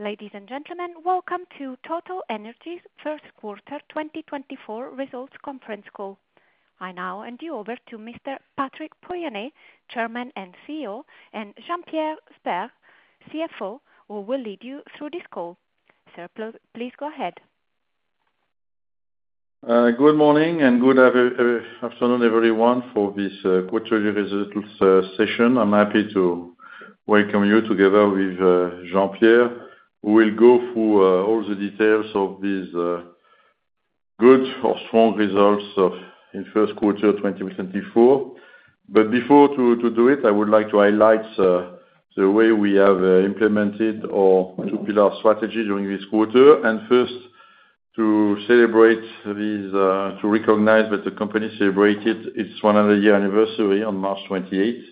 Ladies and gentlemen, welcome to TotalEnergies first quarter 2024 results conference call. I now hand you over to Mr. Patrick Pouyanné, Chairman and CEO, and Jean-Pierre Sbraire, CFO, who will lead you through this call. Sir, please go ahead. Good morning and good afternoon, everyone, for this quarterly results session. I'm happy to welcome you together with Jean-Pierre, who will go through all the details of these good or strong results of in first quarter 2024. But before to do it, I would like to highlight the way we have implemented our two-pillar strategy during this quarter. First, to celebrate these, to recognize that the company celebrated its 100-year anniversary on March 28.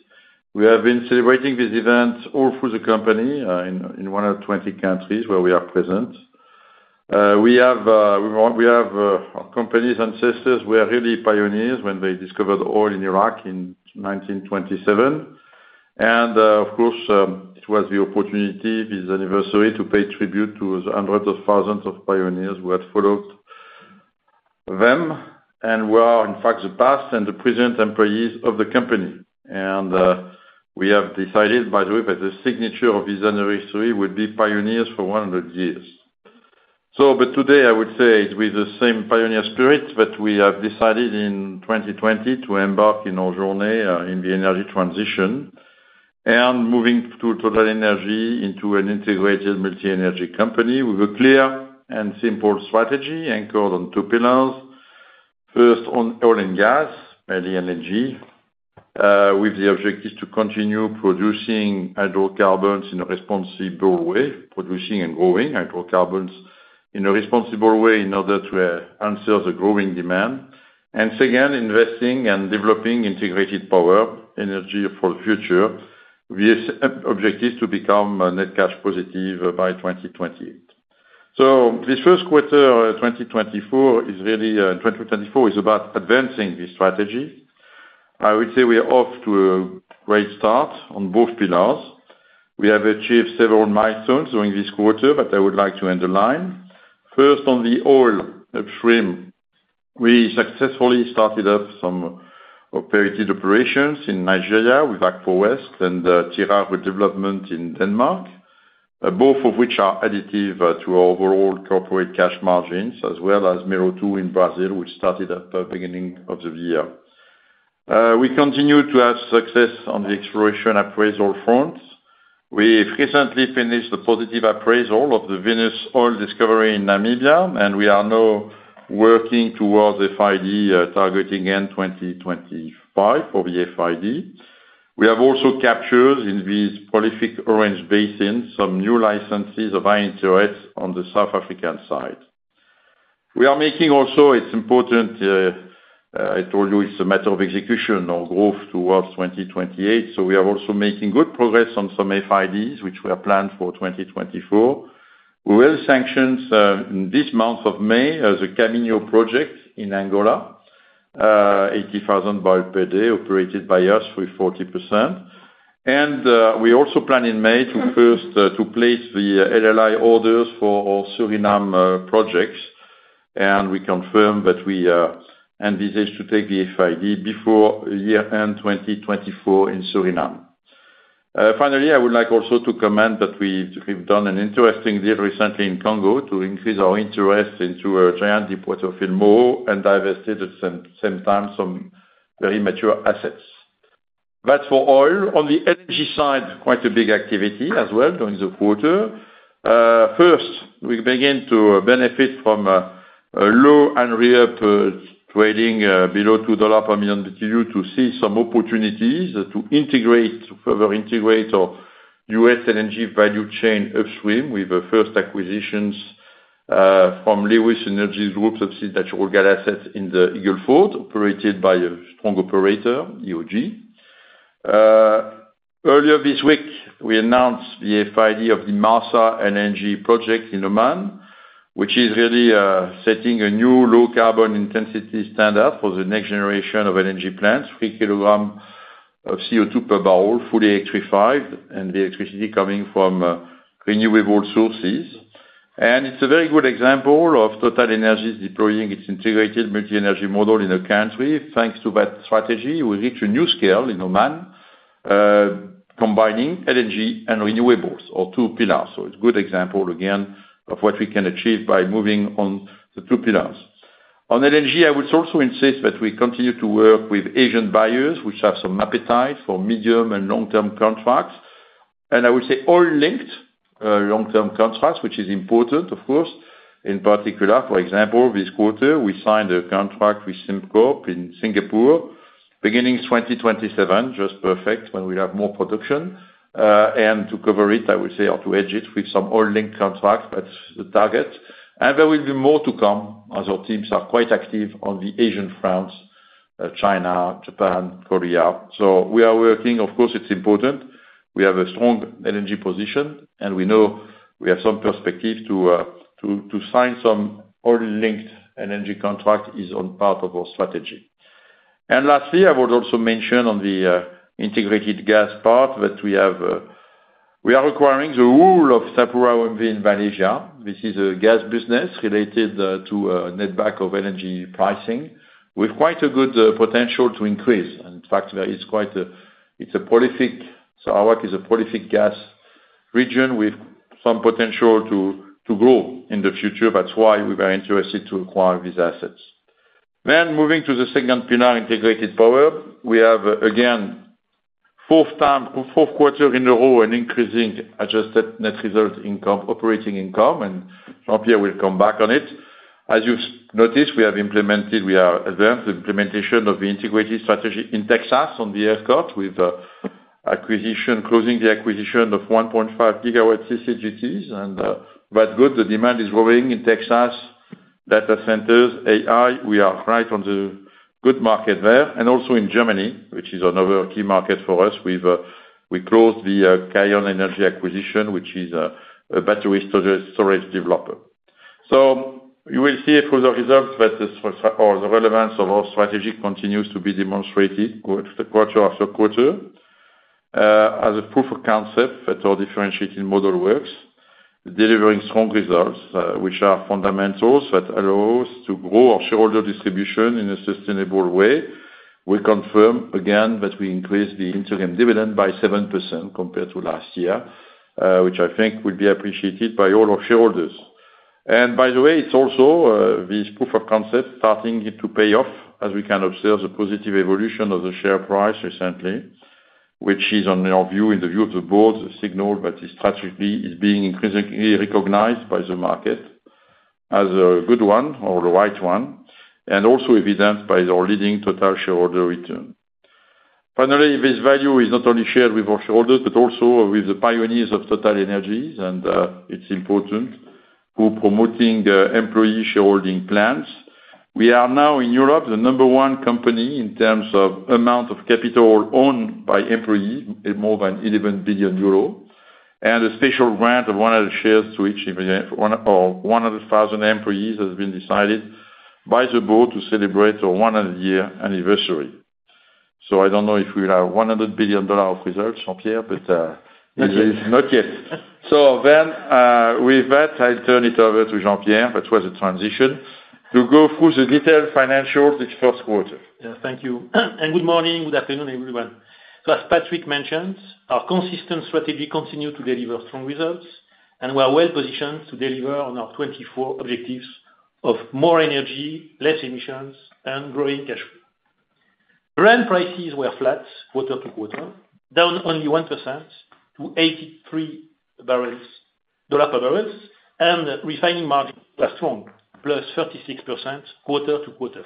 We have been celebrating this event all through the company in one of 20 countries where we are present. We have our company's ancestors were really pioneers when they discovered oil in Iraq in 1927. Of course, it was the opportunity, this anniversary, to pay tribute to the hundreds of thousands of pioneers who have followed them, and who are, in fact, the past and the present employees of the company. We have decided, by the way, that the signature of this anniversary would be pioneers for 100 years. But today, I would say it's with the same pioneer spirit that we have decided in 2020 to embark in our journey, in the energy transition, and moving to TotalEnergies into an integrated multi-energy company with a clear and simple strategy anchored on two pillars. First, on oil and gas, and LNG, with the objective to continue producing hydrocarbons in a responsible way, producing and growing hydrocarbons in a responsible way in order to answer the growing demand. Second, investing and developing integrated power, energy for future, with objective to become net cash positive by 2028. So this first quarter 2024 is really 2024 is about advancing this strategy. I would say we are off to a great start on both pillars. We have achieved several milestones during this quarter, that I would like to underline. First, on the oil upstream, we successfully started up some operated operations in Nigeria with Akpo West and Tyra development in Denmark. Both of which are additive to our overall corporate cash margins, as well as Mero-2 in Brazil, which started at the beginning of the year. We continue to have success on the exploration appraisal front. We have recently finished a positive appraisal of the Venus oil discovery in Namibia, and we are now working towards FID, targeting in 2025 for the FID. We have also captured in these prolific Orange Basins, some new licenses of high interest on the South African side. We are making also, it's important, I told you, it's a matter of execution, our growth towards 2028. So we are also making good progress on some FIDs, which were planned for 2024. We will sanction this month of May, the Kaminho project in Angola, 80,000 barrels per day, operated by us with 40%. And, we also plan in May to first to place the LLI orders for our Suriname projects, and we confirm that we envisage to take the FID before year-end 2024 in Suriname. Finally, I would like also to comment that we've done an interesting deal recently in Congo to increase our interest into a giant deepwater field, Moho, and divested at the same time some very mature assets. That's for oil. On the energy side, quite a big activity as well, during the quarter. First, we begin to benefit from a low Henry Hub trading below $2 per million BTU to see some opportunities to integrate, to further integrate our U.S. LNG value chain upstream with the first acquisitions from Lewis Energy Group of substantial gas assets in the Eagle Ford, operated by a strong operator, EOG. Earlier this week, we announced the FID of the Marsa LNG project in Oman, which is really setting a new low carbon intensity standard for the next generation of LNG plants, three kilogram of CO2 per barrel, fully electrified, and the electricity coming from renewable sources. And it's a very good example of TotalEnergies deploying its integrated multi-energy model in a country. Thanks to that strategy, we reach a new scale in Oman, combining LNG and renewables, our two pillars. So it's a good example, again, of what we can achieve by moving on the two pillars. On LNG, I would also insist that we continue to work with Asian buyers, which have some appetite for medium and long-term contracts. And I would say oil-linked long-term contracts, which is important, of course. In particular, for example, this quarter, we signed a contract with Sembcorp in Singapore, beginning 2027, just perfect when we have more production. And to cover it, I would say, or to hedge it, with some oil-linked contracts, that's the target. And there will be more to come, as our teams are quite active on the Asian fronts, China, Japan, Korea. So we are working, of course, it's important. We have a strong LNG position, and we know we have some perspective to sign some oil-linked LNG contracts as part of our strategy... And lastly, I would also mention on the integrated gas part that we have, we are acquiring the full of SapuraOMV in Malaysia. This is a gas business related to netback of energy pricing, with quite a good potential to increase. In fact, there is quite a, it's a prolific, Sarawak is a prolific gas region with some potential to, to grow in the future. That's why we are interested to acquire these assets. Then moving to the second pillar, integrated power. We have, again, fourth time, fourth quarter in a row, an increasing adjusted net result income, operating income, and Jean-Pierre will come back on it. As you've noticed, we have implemented, we are advanced the implementation of the integrated strategy in Texas on the ERCOT, with acquisition, closing the acquisition of 1.5 GW CCGTs, and but good, the demand is growing in Texas, data centers, AI, we are right on the good market there, and also in Germany, which is another key market for us. We've we closed the Kyon Energy acquisition, which is a, a battery storage, storage developer. So you will see through the results that or the relevance of our strategy continues to be demonstrated quarter after quarter, as a proof of concept that our differentiating model works, delivering strong results, which are fundamentals that allow us to grow our shareholder distribution in a sustainable way. We confirm again that we increased the interim dividend by 7% compared to last year, which I think will be appreciated by all our shareholders. By the way, it's also this proof of concept starting to pay off, as we can observe the positive evolution of the share price recently, which is, on our view, in the view of the board, a signal that the strategy is being increasingly recognized by the market as a good one or the right one, and also evidenced by our leading total shareholder return. Finally, this value is not only shared with our shareholders, but also with the pioneers of TotalEnergies, and it's important, we're promoting employee shareholding plans. We are now, in Europe, the number one company in terms of amount of capital owned by employees, at more than 11 billion euros, and a special grant of 100 shares to each of our 100,000 employees has been decided by the board to celebrate our 100-year anniversary. So I don't know if we will have $100 billion of results, Jean-Pierre, but not yet. So then, with that, I'll turn it over to Jean-Pierre, that was a transition, to go through the detailed financials this first quarter. Yeah, thank you. Good morning, good afternoon, everyone. As Patrick mentioned, our consistent strategy continued to deliver strong results, and we are well positioned to deliver on our 2024 objectives of more energy, less emissions, and growing cash flow. Brent prices were flat quarter-to-quarter, down only 1% to $83 per barrel, and refining margins were strong, +36% quarter-to-quarter.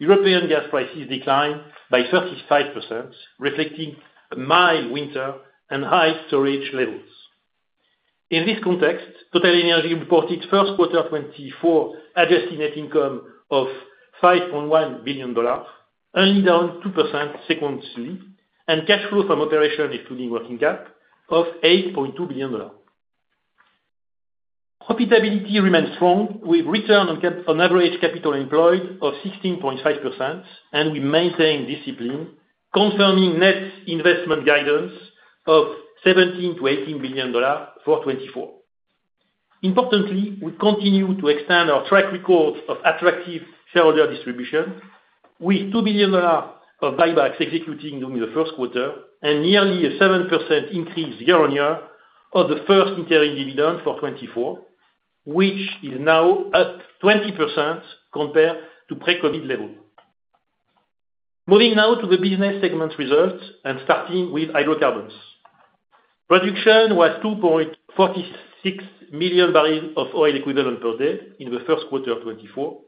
European gas prices declined by 35%, reflecting a mild winter and high storage levels. In this context, TotalEnergies reported first quarter 2024 adjusted net income of $5.1 billion, earnings down 2% sequentially, and cash flow from operations, excluding working cap, of $8.2 billion. Profitability remains strong, with return on average capital employed of 16.5%, and we maintain discipline, confirming net investment guidance of $17 billion-$18 billion for 2024. Importantly, we continue to extend our track record of attractive shareholder distribution with $2 billion of buybacks executing during the first quarter, and nearly a 7% increase year-on-year of the first interim dividend for 2024, which is now at 20% compared to pre-COVID level. Moving now to the business segments results, and starting with hydrocarbons. Production was 2.46 million barrels of oil equivalent per day in the first quarter of 2024,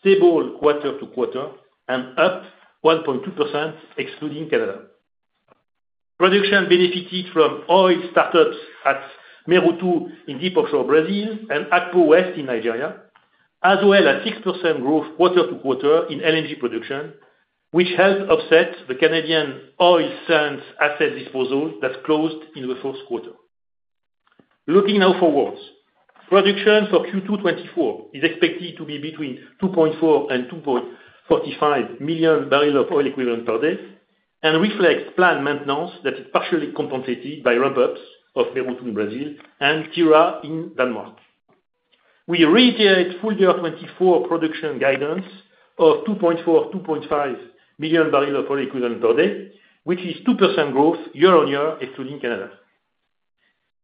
stable quarter-to-quarter, and up 1.2%, excluding Canada. Production benefited from oil startups at Mero-2 in deep offshore Brazil and Akpo West in Nigeria, as well as 6% growth quarter-to-quarter in LNG production, which helped offset the Canadian oil sands asset disposal that closed in the first quarter. Looking now forwards. Production for Q2 2024 is expected to be between 2.4 and 2.45 million barrels of oil equivalent per day, and reflects planned maintenance that is partially compensated by ramp-ups of Mero-2 in Brazil and Tyra in Denmark. We reiterate full year 2024 production guidance of 2.4-2.5 million barrels of oil equivalent per day, which is 2% growth year-on-year, excluding Canada.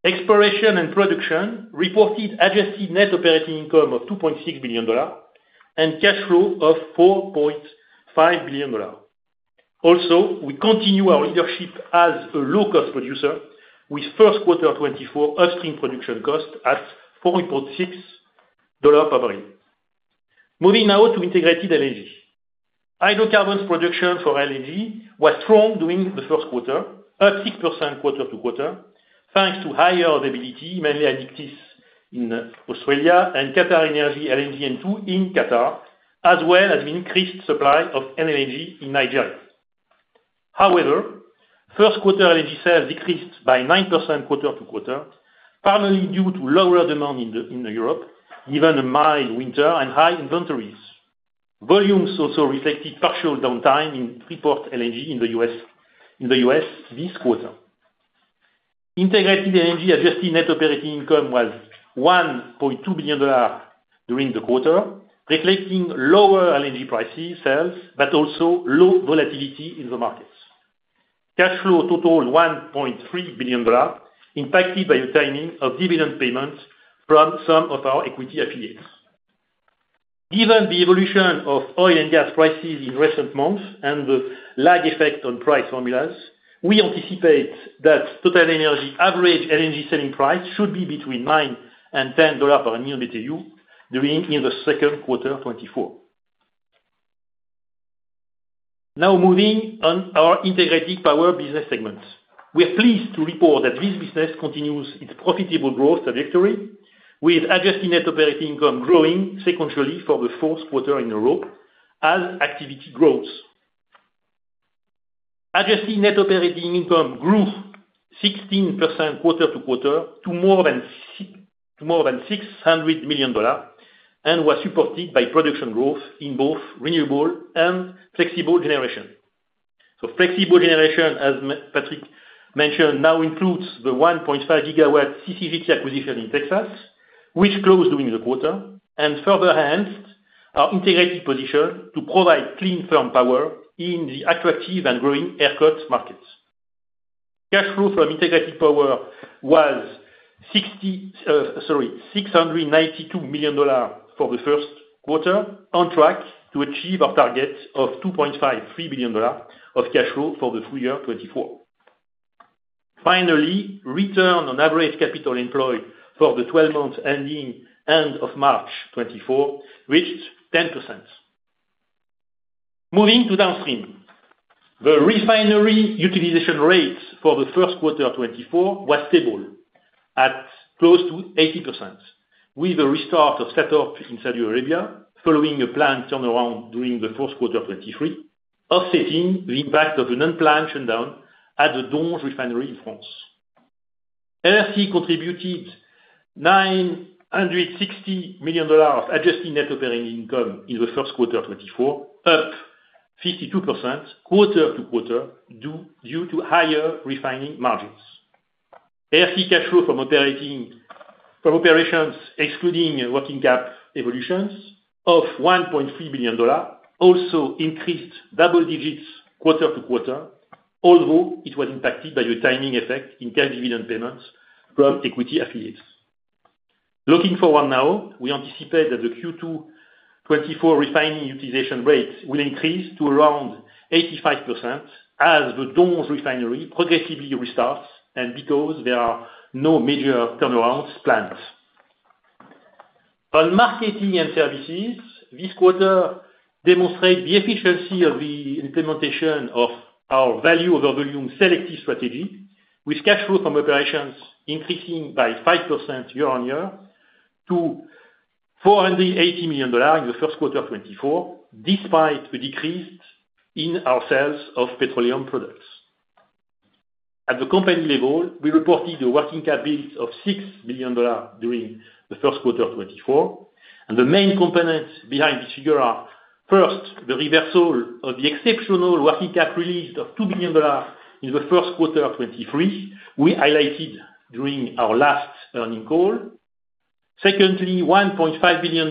Exploration and production reported adjusted net operating income of $2.6 billion and cash flow of $4.5 billion. Also, we continue our leadership as a low-cost producer, with first quarter 2024 upstream production cost at $4.6 per barrel. Moving now to integrated LNG. Hydrocarbons production for LNG was strong during the first quarter, up 6% quarter-over-quarter, thanks to higher availability, mainly at Curtis in Australia and QatarEnergy LNG 2 in Qatar, as well as increased supply of LNG in Nigeria. However, first quarter LNG sales decreased by 9% quarter-over-quarter, primarily due to lower demand in Europe, given a mild winter and high inventories. Volumes also reflected partial downtime in Freeport LNG in the U.S. this quarter. Integrated LNG adjusted net operating income was $1.2 billion during the quarter, reflecting lower LNG prices sales, but also low volatility in the markets. Cash flow totaled $1.3 billion, impacted by the timing of dividend payments from some of our equity affiliates. Given the evolution of oil and gas prices in recent months and the lag effect on price formulas, we anticipate that TotalEnergies average LNG selling price should be between $9 and $10 per million BTU during the second quarter of 2024. Now moving on to our integrated power business segments. We are pleased to report that this business continues its profitable growth trajectory, with adjusted net operating income growing sequentially for the fourth quarter in a row as activity grows. Adjusted net operating income grew 16% quarter-over-quarter, to more than $600 million, and was supported by production growth in both renewable and flexible generation. Flexible generation, as Mr. Patrick mentioned, now includes the 1.5-gigawatt CCGT acquisition in Texas, which closed during the quarter and further enhanced our integrated position to provide clean, firm power in the attractive and growing ERCOT markets. Cash flow from integrated power was $692 million for the first quarter, on track to achieve our target of $2.5-3 billion of cash flow for the full year 2024. Finally, return on average capital employed for the 12 months ending end of March 2024, reached 10%. Moving to downstream. The refinery utilization rate for the first quarter of 2024 was stable at close to 80%, with the restart of SATORP in Saudi Arabia following a planned turnaround during the first quarter of 2023, offsetting the impact of an unplanned shutdown at the Donges refinery in France. R&C contributed $960 million adjusted net operating income in the first quarter of 2024, up 52% quarter-over-quarter, due to higher refining margins. R&C cash flow from operations, excluding working capital evolutions of $1.3 billion, also increased double digits quarter-over-quarter, although it was impacted by the timing effect in cash dividend payments from equity affiliates. Looking forward now, we anticipate that the Q2 2024 refining utilization rate will increase to around 85% as the Donges refinery progressively restarts, and because there are no major turnarounds planned. On marketing and services, this quarter demonstrates the efficiency of the implementation of our value over volume selective strategy, with cash flow from operations increasing by 5% year-on-year to $480 million in the first quarter of 2024, despite a decrease in our sales of petroleum products. At the company level, we reported a working capital of $6 billion during the first quarter of 2024, and the main components behind this figure are, first, the reversal of the exceptional working capital release of $2 billion in the first quarter of 2023. We highlighted during our last earnings call. Secondly, $1.5 billion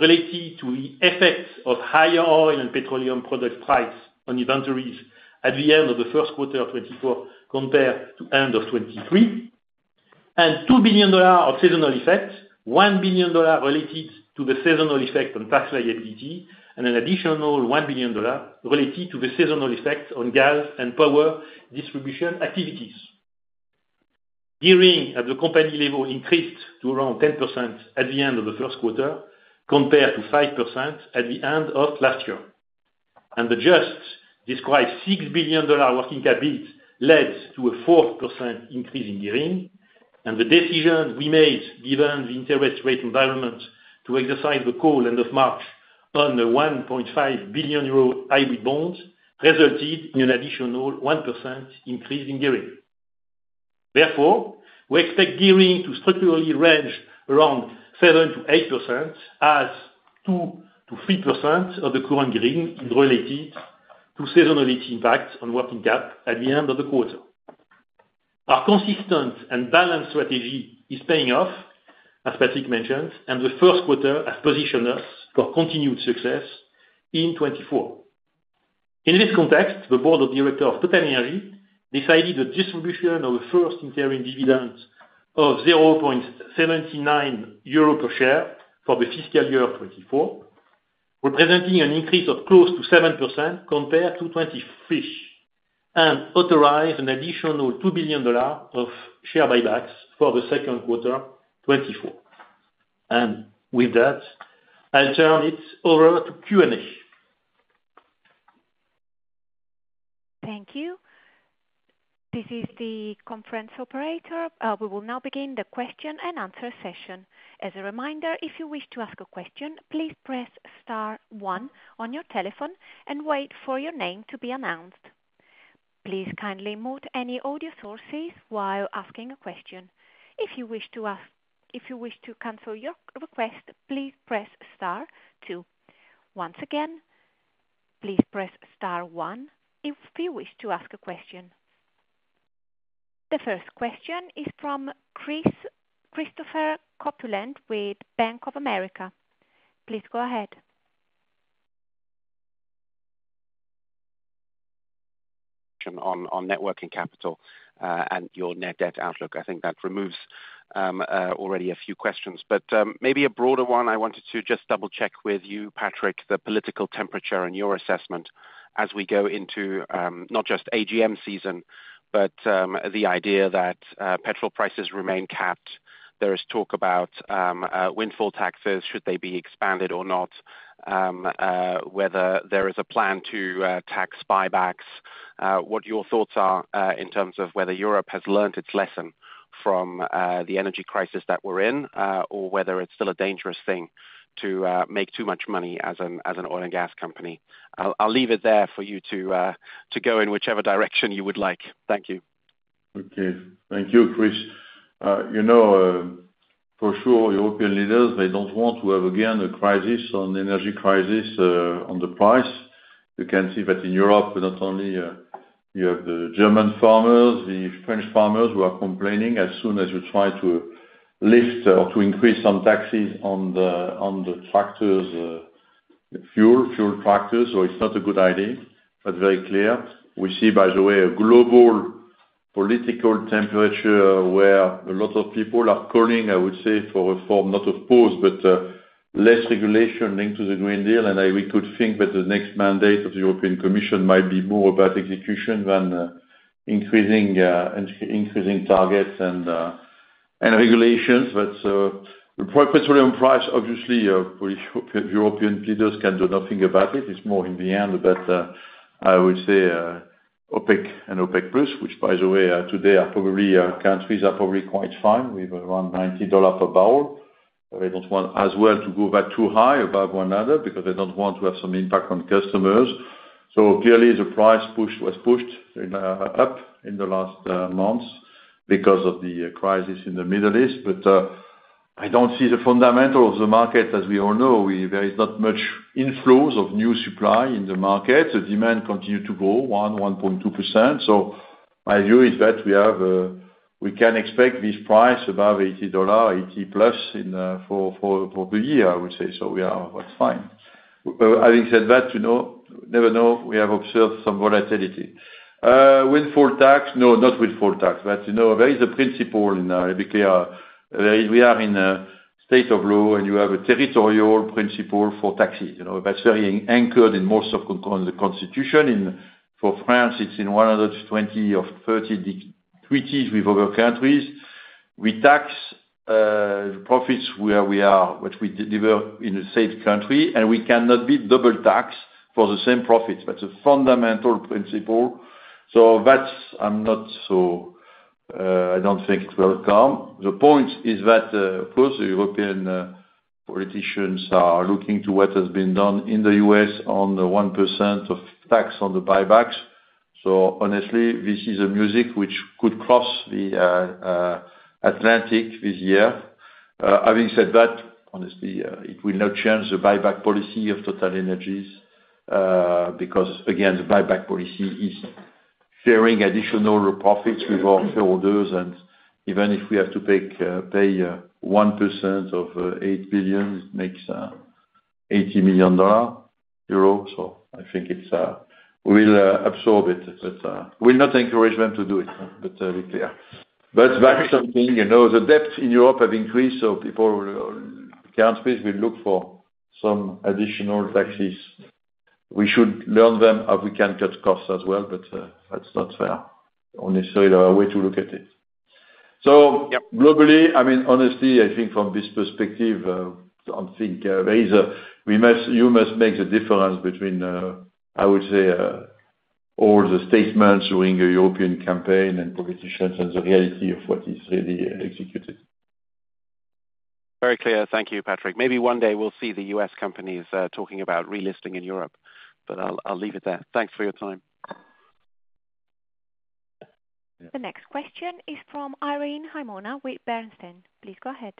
relating to the effects of higher oil and petroleum product price on inventories at the end of the first quarter of 2024 compared to end of 2023, and $2 billion of seasonal effects, $1 billion related to the seasonal effect on tax liability, and an additional $1 billion related to the seasonal effect on gas and power distribution activities. Gearing at the company level increased to around 10% at the end of the first quarter, compared to 5% at the end of last year. And the just described $6 billion working capital led to a 4% increase in gearing, and the decision we made, given the interest rate environment, to exercise the call end of March on the 1.5 billion euro hybrid bonds, resulted in an additional 1% increase in gearing. Therefore, we expect gearing to structurally range around 7%-8%, as 2%-3% of the current gearing is related to seasonality impact on working capital at the end of the quarter. Our consistent and balanced strategy is paying off, as Patrick mentioned, and the first quarter has positioned us for continued success in 2024. In this context, the board of directors of TotalEnergies decided the distribution of the first interim dividend of 0.79 euro per share for the fiscal year of 2024, representing an increase of close to 7% compared to 2023, and authorized an additional $2 billion of share buybacks for the second quarter 2024. And with that, I'll turn it over to Q&A. Thank you. ... This is the conference operator. We will now begin the question and answer session. As a reminder, if you wish to ask a question, please press star one on your telephone and wait for your name to be announced. Please kindly mute any audio sources while asking a question. If you wish to cancel your request, please press star two. Once again, please press star one if you wish to ask a question. The first question is from Chris, Christopher Kuplent with Bank of America. Please go ahead. On working capital and your net debt outlook. I think that removes already a few questions, but maybe a broader one. I wanted to just double check with you, Patrick, the political temperature and your assessment as we go into not just AGM season, but the idea that petrol prices remain capped. There is talk about windfall taxes, should they be expanded or not? Whether there is a plan to tax buybacks, what your thoughts are, in terms of whether Europe has learned its lesson from the energy crisis that we're in, or whether it's still a dangerous thing to make too much money as an oil and gas company. I'll leave it there for you to go in whichever direction you would like. Thank you. Okay. Thank you, Chris. You know, for sure, European leaders, they don't want to have, again, a crisis on energy crisis on the price. You can see that in Europe, not only you have the German farmers, the French farmers, who are complaining as soon as you try to lift or to increase some taxes on the, on the tractors, fuel, fuel tractors, so it's not a good idea, that's very clear. We see, by the way, a global political temperature where a lot of people are calling, I would say, for a form, not of pause, but less regulation linked to the Green Deal, and we could think that the next mandate of the European Commission might be more about execution than increasing, increasing targets and, and regulations. But, for petroleum price, obviously, European leaders can do nothing about it. It's more in the end, but, I would say, OPEC and OPEC+, which, by the way, today are probably, countries are probably quite fine with around $90 per barrel. They don't want as well to go back too high above $100, because they don't want to have some impact on customers. So clearly the price push was pushed up in the last months because of the crisis in the Middle East. But, I don't see the fundamental of the market, as we all know, we, there is not much inflows of new supply in the market. The demand continue to grow 1.2%. So my view is that we have, we can expect this price above $80, $80+ in, for the year, I would say. So we are, that's fine. Having said that, you know, never know, we have observed some volatility. Windfall tax, no, not windfall tax, but, you know, there is a principle in OECD. We are in a state of law, and you have a territorial principle for taxes, you know, that's very anchored in most of the constitution. In, for France, it's in 120 or 30 treaties with other countries. We tax the profits where we are, which we deliver in a safe country, and we cannot be double taxed for the same profits. That's a fundamental principle. So that's, I'm not so, I don't think it will come. The point is that, of course, the European politicians are looking to what has been done in the U.S. on the 1% tax on the buybacks. So honestly, this is a move which could cross the Atlantic this year. Having said that, honestly, it will not change the buyback policy of TotalEnergies, because, again, the buyback policy is sharing additional profits with our shareholders. Even if we have to pay 1% of 8 billion, it makes EUR 80 million. So I think we'll absorb it, but will not encourage us to do it, but be clear. But that is something, you know, the debt in Europe have increased, so people, countries will look for some additional taxes. We should learn them how we can cut costs as well, but that's not fair, honestly, the way to look at it. So globally, I mean, honestly, I think from this perspective, I think there is a, we must, you must make the difference between, I would say, all the statements during the European campaign and politicians and the reality of what is really executed. Very clear. Thank you, Patrick. Maybe one day we'll see the U.S. companies talking about relisting in Europe, but I'll leave it there. Thanks for your time. The next question is from Irene Himona with Bernstein. Please go ahead.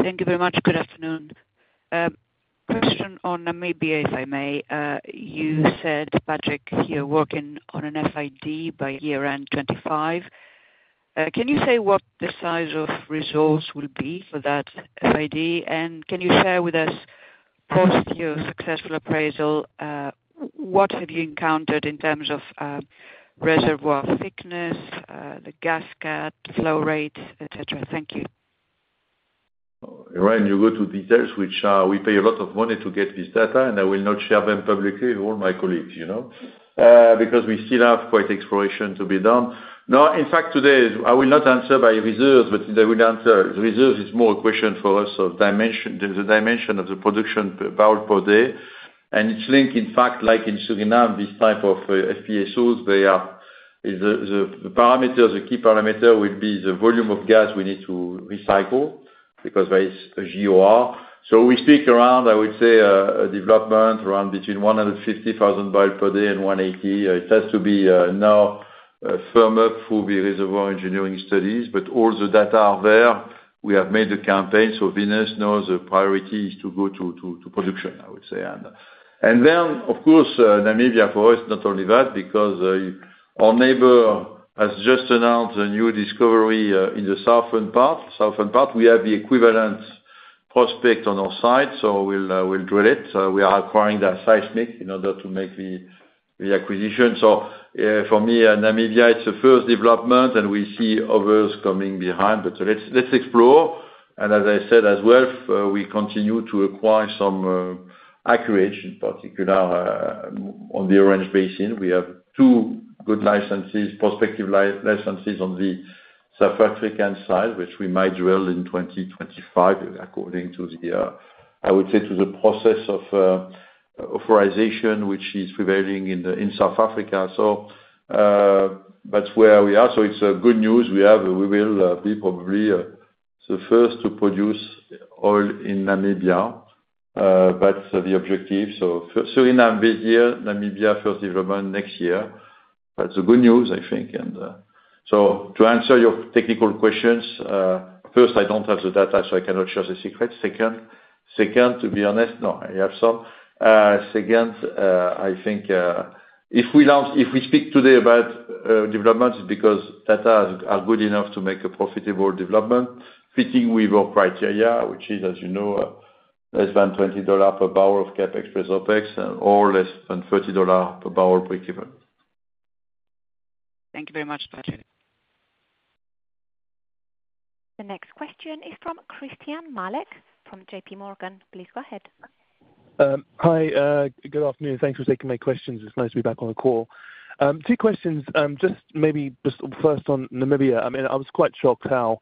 Thank you very much. Good afternoon. Question on maybe, if I may, you said, Patrick, you're working on an FID by year-end 2025. Can you say what the size of resource will be for that FID? And can you share with us, post your successful appraisal, what have you encountered in terms of reservoir thickness, the gas cap, flow rate, et cetera? Thank you.... Ryan, you go to details which, we pay a lot of money to get this data, and I will not share them publicly with all my colleagues, you know? Because we still have quite exploration to be done. Now, in fact, today, I will not answer by reserves, but I will answer. Reserves is more a question for us of dimension, the dimension of the production barrel per day, and it's linked, in fact, like in Suriname, this type of FPSOs. They are, the parameter, the key parameter will be the volume of gas we need to recycle, because there is a GOR. So we speak around, I would say, a development around between 150,000 barrels per day and 180. It has to be now firm up through the reservoir engineering studies, but all the data are there. We have made the campaign, so Venus knows the priority is to go to production, I would say. And then, of course, Namibia for us, not only that, because our neighbor has just announced a new discovery in the southern part. We have the equivalent prospect on our side, so we'll drill it. So we are acquiring that seismic in order to make the acquisition. So for me, and Namibia, it's the first development, and we see others coming behind, but so let's explore. And as I said, as well, we continue to acquire some accuracy, in particular, on the Orange Basin. We have two good licenses, prospective licenses on the South African side, which we might drill in 2025, according to the, I would say, to the process of authorization, which is prevailing in South Africa. So, that's where we are. So it's good news. We have, we will be probably the first to produce oil in Namibia, but the objective, so Suriname this year, Namibia, first development next year. That's the good news, I think, and so to answer your technical questions, first, I don't have the data, so I cannot share the secret. Second, to be honest, no, I have some. Second, I think, if we launch, if we speak today about development, it's because data are good enough to make a profitable development fitting with our criteria, which is, as you know, less than $20 per barrel of CapEx plus OpEx, and or less than $30 per barrel breakeven. Thank you very much, Patrick. The next question is from Christyan Malek, from JPMorgan. Please go ahead. Hi, good afternoon. Thanks for taking my questions. It's nice to be back on the call. Two questions. Just maybe just first on Namibia. I mean, I was quite shocked how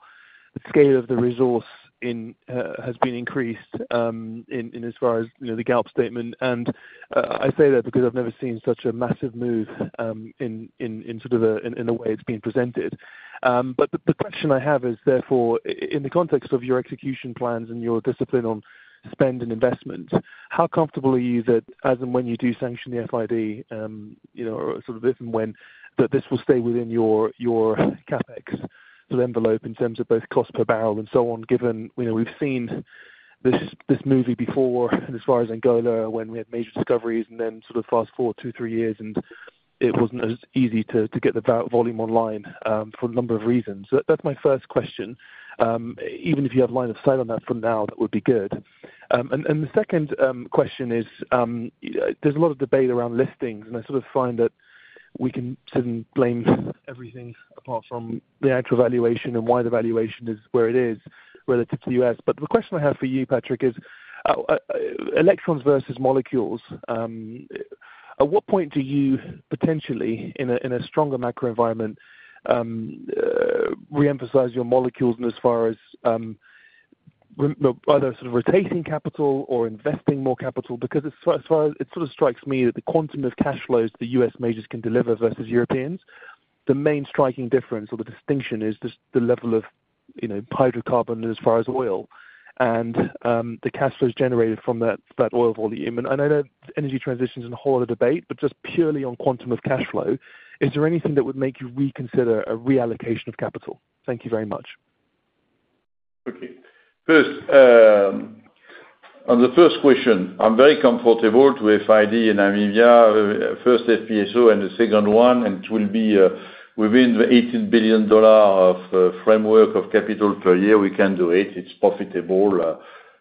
the scale of the resource has been increased in as far as, you know, the Galp statement, and I say that because I've never seen such a massive move in sort of a way it's being presented. But the question I have is, therefore, in the context of your execution plans and your discipline on spend and investment, how comfortable are you that as and when you do sanction the FID, you know, or sort of if and when, that this will stay within your CapEx envelope in terms of both cost per barrel and so on, given, you know, we've seen this movie before, as far as Angola, when we had major discoveries, and then sort of fast forward two-three years, and it wasn't as easy to get the volume online, for a number of reasons. So that's my first question. Even if you have line of sight on that from now, that would be good. And the second question is, there's a lot of debate around listings, and I sort of find that we shouldn't blame everything apart from the actual valuation and why the valuation is where it is relative to the U.S. But the question I have for you, Patrick, is, electrons versus molecules. At what point do you potentially, in a stronger macro environment, reemphasize your molecules in as far as, re- either sort of rotating capital or investing more capital? Because as far as it sort of strikes me that the quantum of cash flows the U.S. majors can deliver versus Europeans, the main striking difference or the distinction is just the level of, you know, hydrocarbon as far as oil. And the cash flows generated from that, that oil volume. I know energy transition is a whole other debate, but just purely on quantum of cash flow, is there anything that would make you reconsider a reallocation of capital? Thank you very much. Okay. First, on the first question, I'm very comfortable with FID in Namibia, first FPSO and the second one, and it will be within the $18 billion framework of capital per year, we can do it. It's profitable.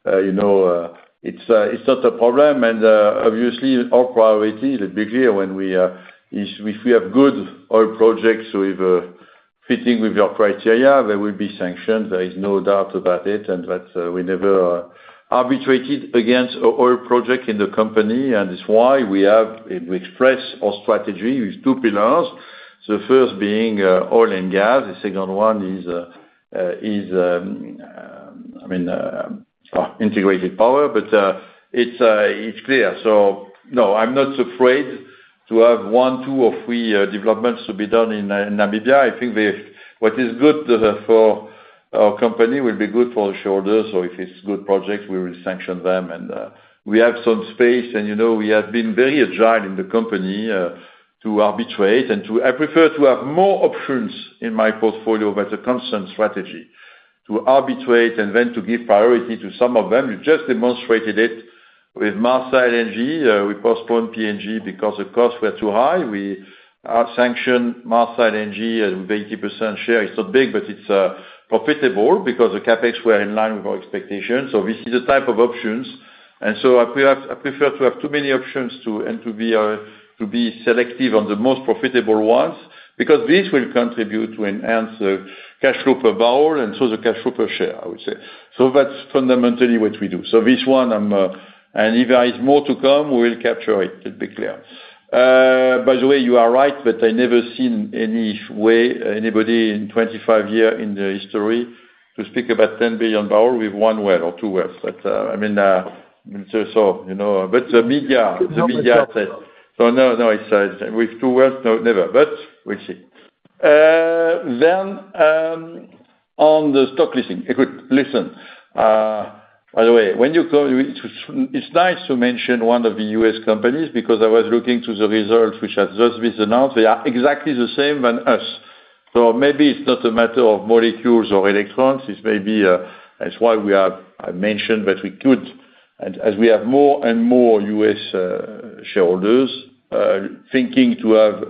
You know, it's not a problem, and obviously, our priority is obviously when we is if we have good oil projects, with fitting with our criteria, they will be sanctioned. There is no doubt about it, and that we never arbitrated against oil project in the company, and that's why we have, and we express our strategy with two pillars, the first being oil and gas. The second one is is, I mean, integrated power, but it's clear. So no, I'm not afraid to have one, two, or three developments to be done in Namibia. I think what is good for our company will be good for the shareholders, so if it's good projects, we will sanction them. And we have some space, and you know, we have been very agile in the company to arbitrate, and I prefer to have more options in my portfolio as a constant strategy, to arbitrate and then to give priority to some of them. We just demonstrated it with Marsa LNG. We postponed PNG because the costs were too high. We sanctioned Marsa LNG at 80% share. It's so big, but it's profitable because the CapEx were in line with our expectations. So we see the type of options-... And so I prefer to have too many options, and to be selective on the most profitable ones, because this will contribute to enhance the cash flow per barrel, and so the cash flow per share, I would say. So that's fundamentally what we do. So this one, and if there is more to come, we will capture it, to be clear. By the way, you are right, but I never seen any way, anybody in 25 years in the history to speak about 10 billion barrels with one well or two wells. But, I mean, so, you know, but the media, the media said. So no, no, it's with two wells, no, never, but we'll see. Then, on the stock listing, listen, by the way, when you go, it's nice to mention one of the U.S. companies, because I was looking to the results which have just been announced. They are exactly the same than us. So maybe it's not a matter of molecules or electrons, it's maybe that's why we have, I mentioned that we could. And as we have more and more U.S. shareholders, thinking to have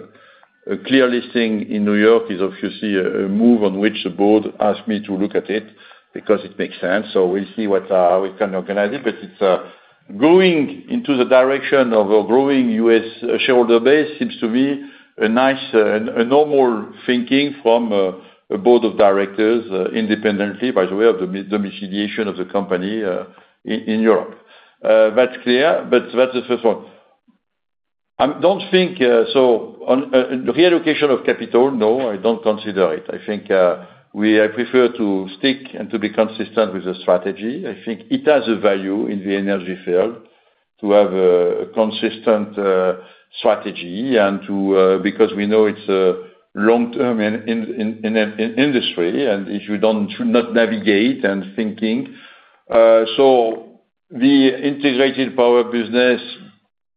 a clear listing in New York is obviously a move on which the board asked me to look at it, because it makes sense. So we'll see what we can organize it. But it's going into the direction of a growing U.S. shareholder base seems to be a nice, a normal thinking from a board of directors, independently, by the way, of the de-domiciliation of the company in Europe. That's clear, but that's the first one. I don't think so on reallocation of capital, no, I don't consider it. I think I prefer to stick and to be consistent with the strategy. I think it has a value in the energy field to have a consistent strategy and to because we know it's a long-term in industry, and if you don't should not navigate and thinking. So the integrated power business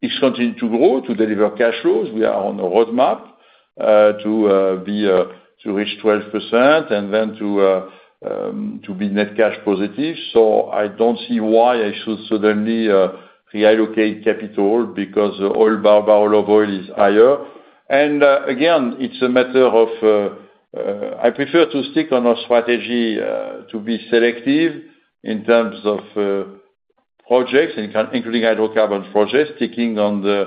is continuing to grow to deliver cash flows. We are on a roadmap to reach 12% and then to be net cash positive. So I don't see why I should suddenly reallocate capital because oil barrel barrel of oil is higher. And again, it's a matter of I prefer to stick on a strategy to be selective in terms of projects, including hydrocarbon projects, sticking on the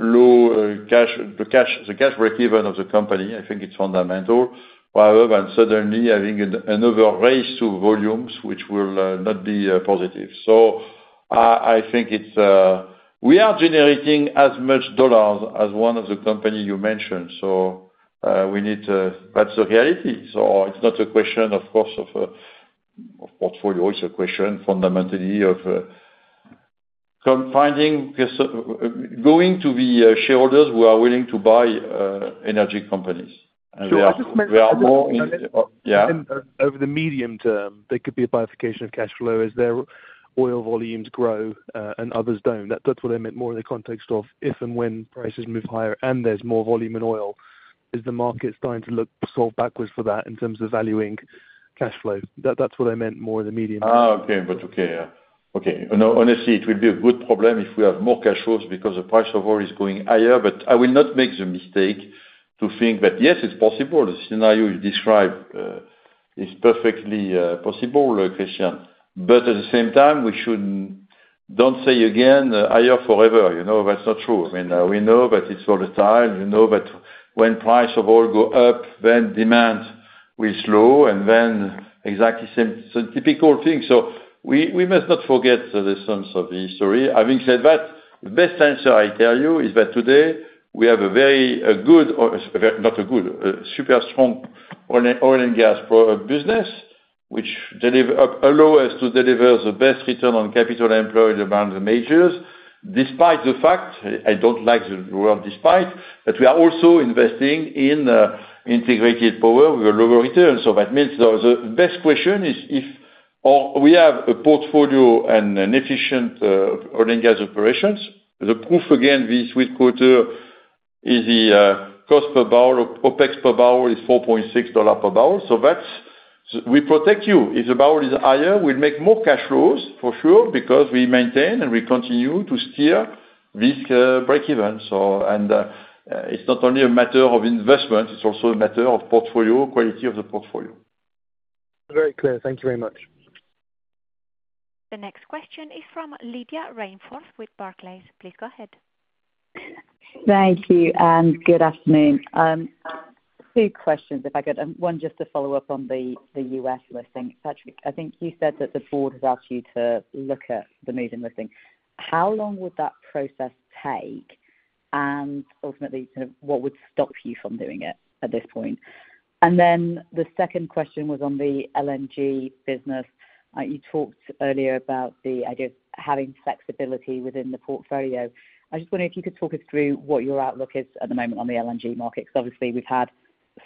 low cash the cash the cash break even of the company, I think it's fundamental. Rather than suddenly having another race to volumes, which will not be positive. So I think it's we are generating as much dollars as one of the company you mentioned, so we need to, that's the reality. So it's not a question, of course, of portfolio. It's a question fundamentally of convincing the shareholders who are willing to buy energy companies. And we are, we are more in- So I'll just make Yeah? Over the medium term, there could be a bifurcation of cash flow as their oil volumes grow, and others don't. That, that's what I meant more in the context of if and when prices move higher and there's more volume in oil, is the market starting to look so backwards for that in terms of valuing cash flow? That, that's what I meant more in the medium term. No, honestly, it will be a good problem if we have more cash flows because the price of oil is going higher. But I will not make the mistake to think that, yes, it's possible, the scenario you described is perfectly possible, Christyan. But at the same time, we shouldn't, don't say again, higher forever. You know, that's not true. I mean, we know that it's volatile, we know that when price of oil go up, then demand will slow, and then exactly same, so typical thing. So we must not forget the lessons of history. Having said that, the best answer I tell you is that today we have a super strong oil and gas product business, which allow us to deliver the best return on capital employed among the majors. Despite the fact, I don't like the word despite, but we are also investing in integrated power with a lower return. So that means the best question is, if we have a portfolio and an efficient oil and gas operations, the proof again this weak quarter is the cost per barrel. OpEx per barrel is $4.6 per barrel. So that's we protect you. If the barrel is higher, we make more cash flows, for sure, because we maintain and we continue to steer this break even. It's not only a matter of investment, it's also a matter of portfolio, quality of the portfolio. Very clear. Thank you very much. The next question is from Lydia Rainforth with Barclays. Please go ahead. Thank you, and good afternoon. Two questions, if I could, and one just to follow up on the, the U.S. listing. Patrick, I think you said that the board has asked you to look at the maybe listing. How long would that process take? And ultimately, sort of what would stop you from doing it at this point? And then the second question was on the LNG business. You talked earlier about the idea of having flexibility within the portfolio. I just wonder if you could talk us through what your outlook is at the moment on the LNG market. Because obviously, we've had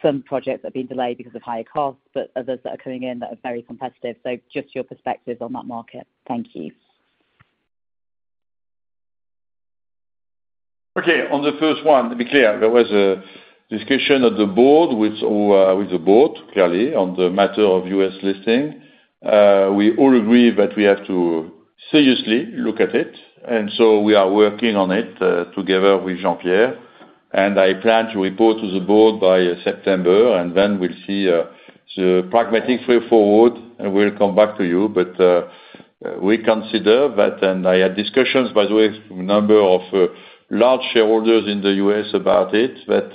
some projects that have been delayed because of higher costs, but others that are coming in that are very competitive. So just your perspective on that market. Thank you. Okay, on the first one, to be clear, there was a discussion of the board with, with the board, clearly, on the matter of U.S. listing. We all agree that we have to seriously look at it, and so we are working on it, together with Jean-Pierre, and I plan to report to the board by September, and then we'll see. It's a pragmatic way forward, and we'll come back to you. But, we consider that, and I had discussions, by the way, with a number of, large shareholders in the U.S. about it, but,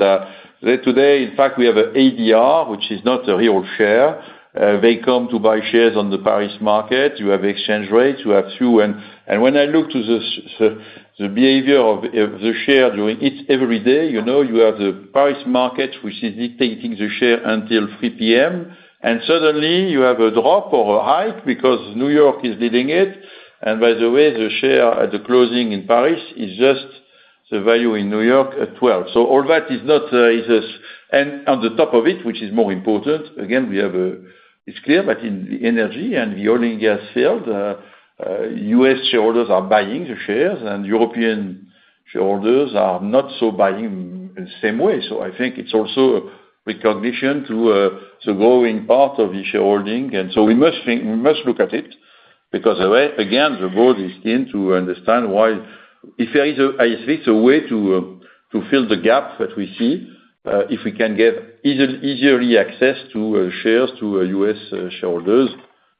today, in fact, we have an ADR, which is not a real share. They come to buy shares on the Paris market, you have exchange rates, you have two... When I look to the the behavior of the share during every day, you know, you have the Paris market, which is dictating the share until 3:00 P.M., and suddenly you have a drop or a hike because New York is leading it. By the way, the share at the closing in Paris is just the value in New York at 12:00 P.M. So all that is not is just. On top of it, which is more important, again, we have a. It's clear that in the energy and the oil and gas field, U.S. shareholders are buying the shares, and European shareholders are not so buying in the same way. So I think it's also a recognition to the growing part of the shareholding. And so we must think, we must look at it, because, again, the board is keen to understand why—if there is a, is this a way to fill the gap that we see, if we can get easily, easier access to shares, to U.S. shareholders.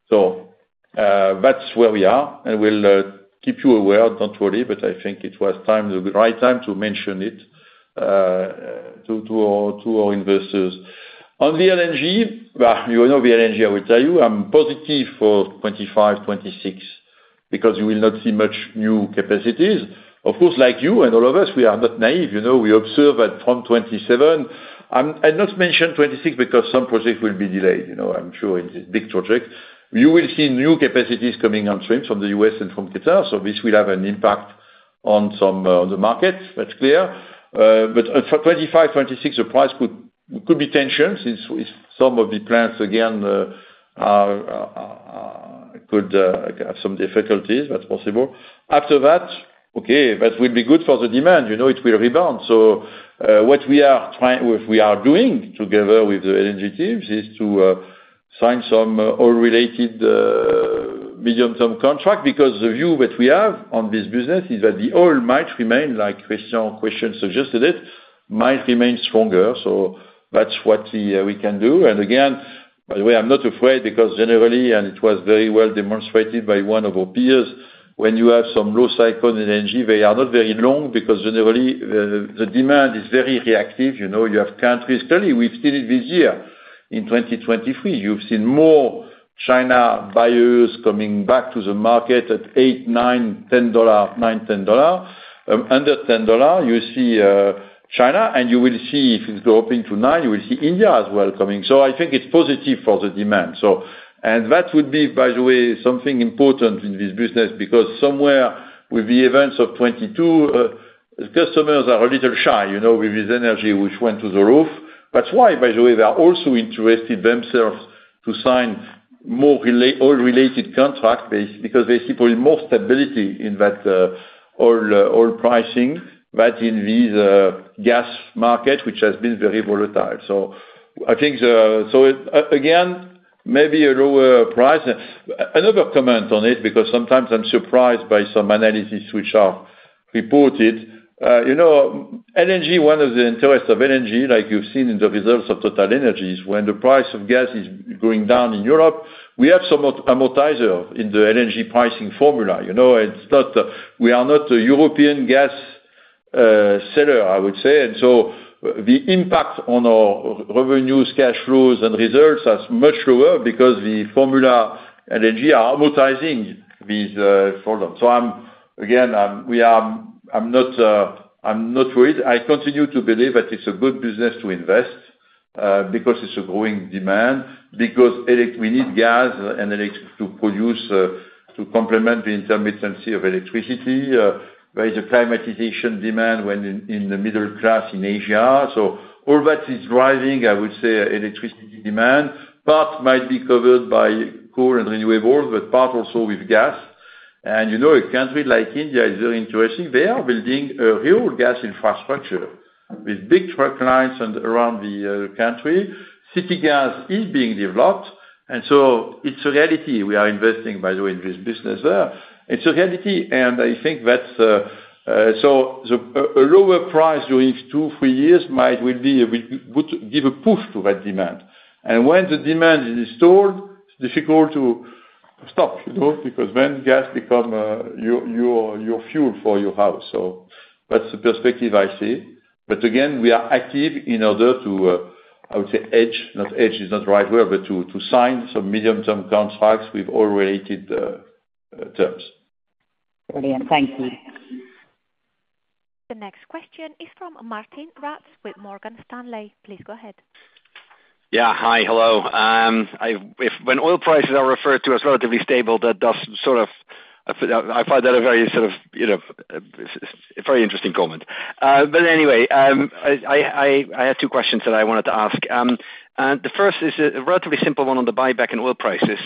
So, that's where we are, and we'll keep you aware, don't worry, but I think it was time, the right time to mention it to our investors. On the LNG, well, you know the LNG, I will tell you, I'm positive for 2025, 2026, because you will not see much new capacities. Of course, like you and all of us, we are not naive, you know, we observe that from 2027... I not mention 2026 because some projects will be delayed, you know, I'm sure it's a big project. You will see new capacities coming on stream from the U.S. and from Qatar, so this will have an impact on some, the market, that's clear. But for 2025, 2026, the price could be tensions, if some of the plants again could have some difficulties, that's possible. After that, okay, that will be good for the demand, you know, it will rebound. So, what we are trying, what we are doing together with the LNG teams, is to sign some oil-related medium-term contract, because the view that we have on this business is that the oil might remain, like Christian suggested it, might remain stronger. So that's what we can do. Again, by the way, I'm not afraid because generally, and it was very well demonstrated by one of our peers, when you have some low cycle in energy, they are not very long because generally the demand is very reactive. You know, you have countries, clearly, we've seen it this year, in 2023, you've seen more China buyers coming back to the market at $8, $9, $10 dollar, $9, $10 dollar. Under $10 dollar, you see, China, and you will see, if it's dropping to $9, you will see India as well coming. So I think it's positive for the demand. So, and that would be, by the way, something important in this business, because somewhere with the events of 2022, customers are a little shy, you know, with this energy which went through the roof. That's why, by the way, they are also interested themselves to sign more oil-related contract, because they see probably more stability in that, oil pricing, than in this, gas market, which has been very volatile. So I think, so it, again, maybe a lower price. Another comment on it, because sometimes I'm surprised by some analysis which are reported. You know, LNG, one of the interests of LNG, like you've seen in the results of TotalEnergies, when the price of gas is going down in Europe, we have some amortizer in the LNG pricing formula. You know, it's not, we are not a European gas, seller, I would say, and so the impact on our revenues, cash flows, and results are much lower because the formula LNG are amortizing these, products. So I'm not worried. I continue to believe that it's a good business to invest because it's a growing demand, because we need gas and electric to produce to complement the intermittency of electricity. There is a climatization demand in the middle class in Asia. So all that is driving, I would say, electricity demand. Part might be covered by coal and renewable, but part also with gas. And you know, a country like India is very interesting. They are building a real gas infrastructure with big pipelines around the country. City gas is being developed, and so it's a reality. We are investing, by the way, in this business there. It's a reality, and I think that, a lower price during two-three years might will be, would give a push to that demand. And when the demand is installed, it's difficult to stop, you know, because then gas become, your, your, your fuel for your house. So that's the perspective I see. But again, we are active in order to, I would say edge, not, edge is not right word, but to, to sign some medium-term contracts with oil-related, terms. Brilliant. Thank you. The next question is from Martijn Rats with Morgan Stanley. Please go ahead. Yeah. Hi, hello. If when oil prices are referred to as relatively stable, that does sort of... I find that a very, sort of, you know, very interesting comment. But anyway, I had two questions that I wanted to ask. The first is a relatively simple one on the buyback and oil prices.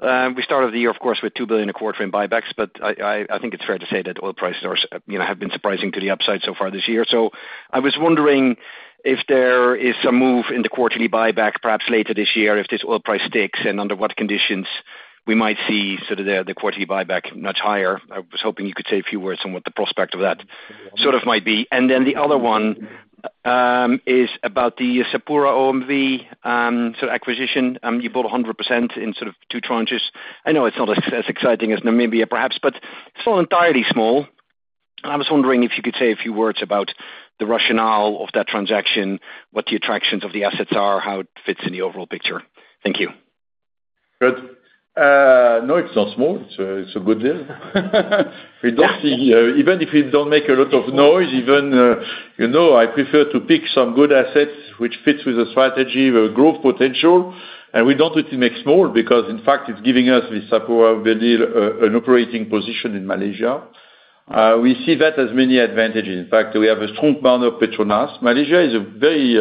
We started the year, of course, with 2 billion a quarter in buybacks, but I think it's fair to say that oil prices are, you know, have been surprising to the upside so far this year. So I was wondering if there is a move in the quarterly buyback, perhaps later this year, if this oil price sticks, and under what conditions?... we might see sort of the quarterly buyback much higher. I was hoping you could say a few words on what the prospect of that sort of might be. And then the other one is about the SapuraOMV so acquisition. You bought 100% in sort of two tranches. I know it's not as exciting as Namibia perhaps, but it's not entirely small. I was wondering if you could say a few words about the rationale of that transaction, what the attractions of the assets are, how it fits in the overall picture? Thank you. Good. No, it's not small. It's a, it's a good deal. We don't see, even if you don't make a lot of noise, even, you know, I prefer to pick some good assets, which fits with the strategy, the growth potential. And we don't want to make small, because in fact, it's giving us, with SapuraOMV, an operating position in Malaysia. We see that as many advantages. In fact, we have a strong partner, PETRONAS. Malaysia is a very,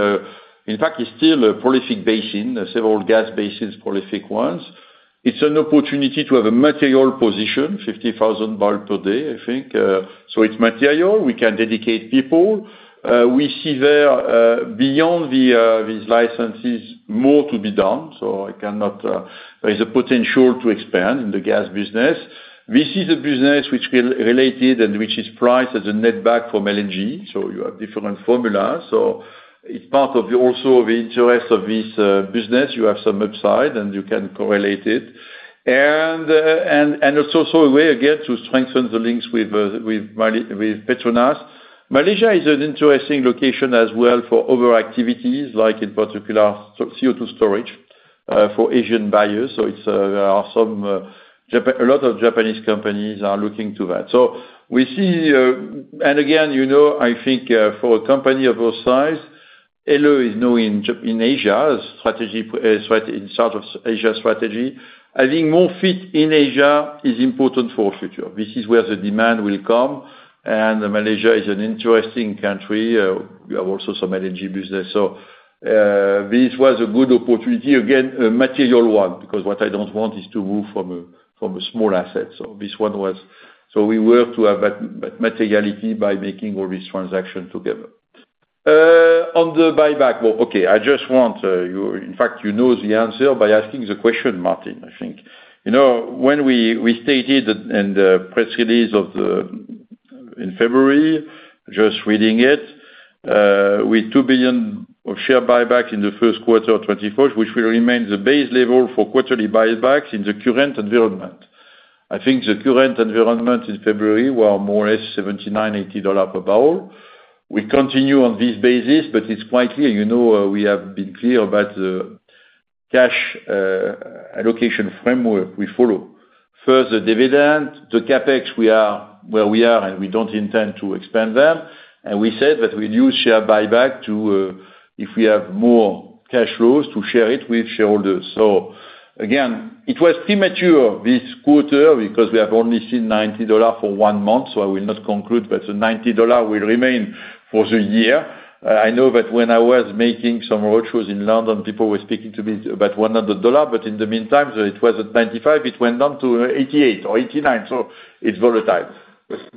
in fact, it's still a prolific basin, several gas basins, prolific ones. It's an opportunity to have a material position, 50,000 barrel per day, I think. So it's material, we can dedicate people. We see there, beyond the, these licenses, more to be done, so I cannot... There is a potential to expand in the gas business. This is a business which related and which is priced as a net back from LNG, so you have different formulas. So it's part of also the interest of this business. You have some upside, and you can correlate it. And also, so a way, again, to strengthen the links with Malaysia with PETRONAS. Malaysia is an interesting location as well for other activities, like in particular, CO2 storage for Asian buyers. So it's there are some, a lot of Japanese companies are looking to that. So we see. And again, you know, I think for a company of our size, Total is new in Japan in Asia strategy, strategy in South Asia strategy. I think more fit in Asia is important for our future. This is where the demand will come, and Malaysia is an interesting country. We have also some LNG business. So, this was a good opportunity, again, a material one, because what I don't want is to move from a, from a small asset. So this one was... So we were to have that, that materiality by making all this transaction together. On the buyback. Well, okay, I just want, you, in fact, you know the answer by asking the question, Martin, I think. You know, when we, we stated in the press release of the, in February, just reading it, "With $2 billion of share buybacks in the first quarter of 2021, which will remain the base level for quarterly buybacks in the current environment." I think the current environment in February were more or less $79-$80 per barrel. We continue on this basis, but it's quite clear, you know, we have been clear about the cash allocation framework we follow. First, the dividend, the CapEx we are where we are, and we don't intend to expand them. And we said that we'd use share buyback to, if we have more cash flows, to share it with shareholders. So again, it was premature this quarter because we have only seen $90 for one month, so I will not conclude that the $90 will remain for the year. I know that when I was making some roadshows in London, people were speaking to me about $100, but in the meantime, it was at 95, it went down to 88 or 89, so it's volatile.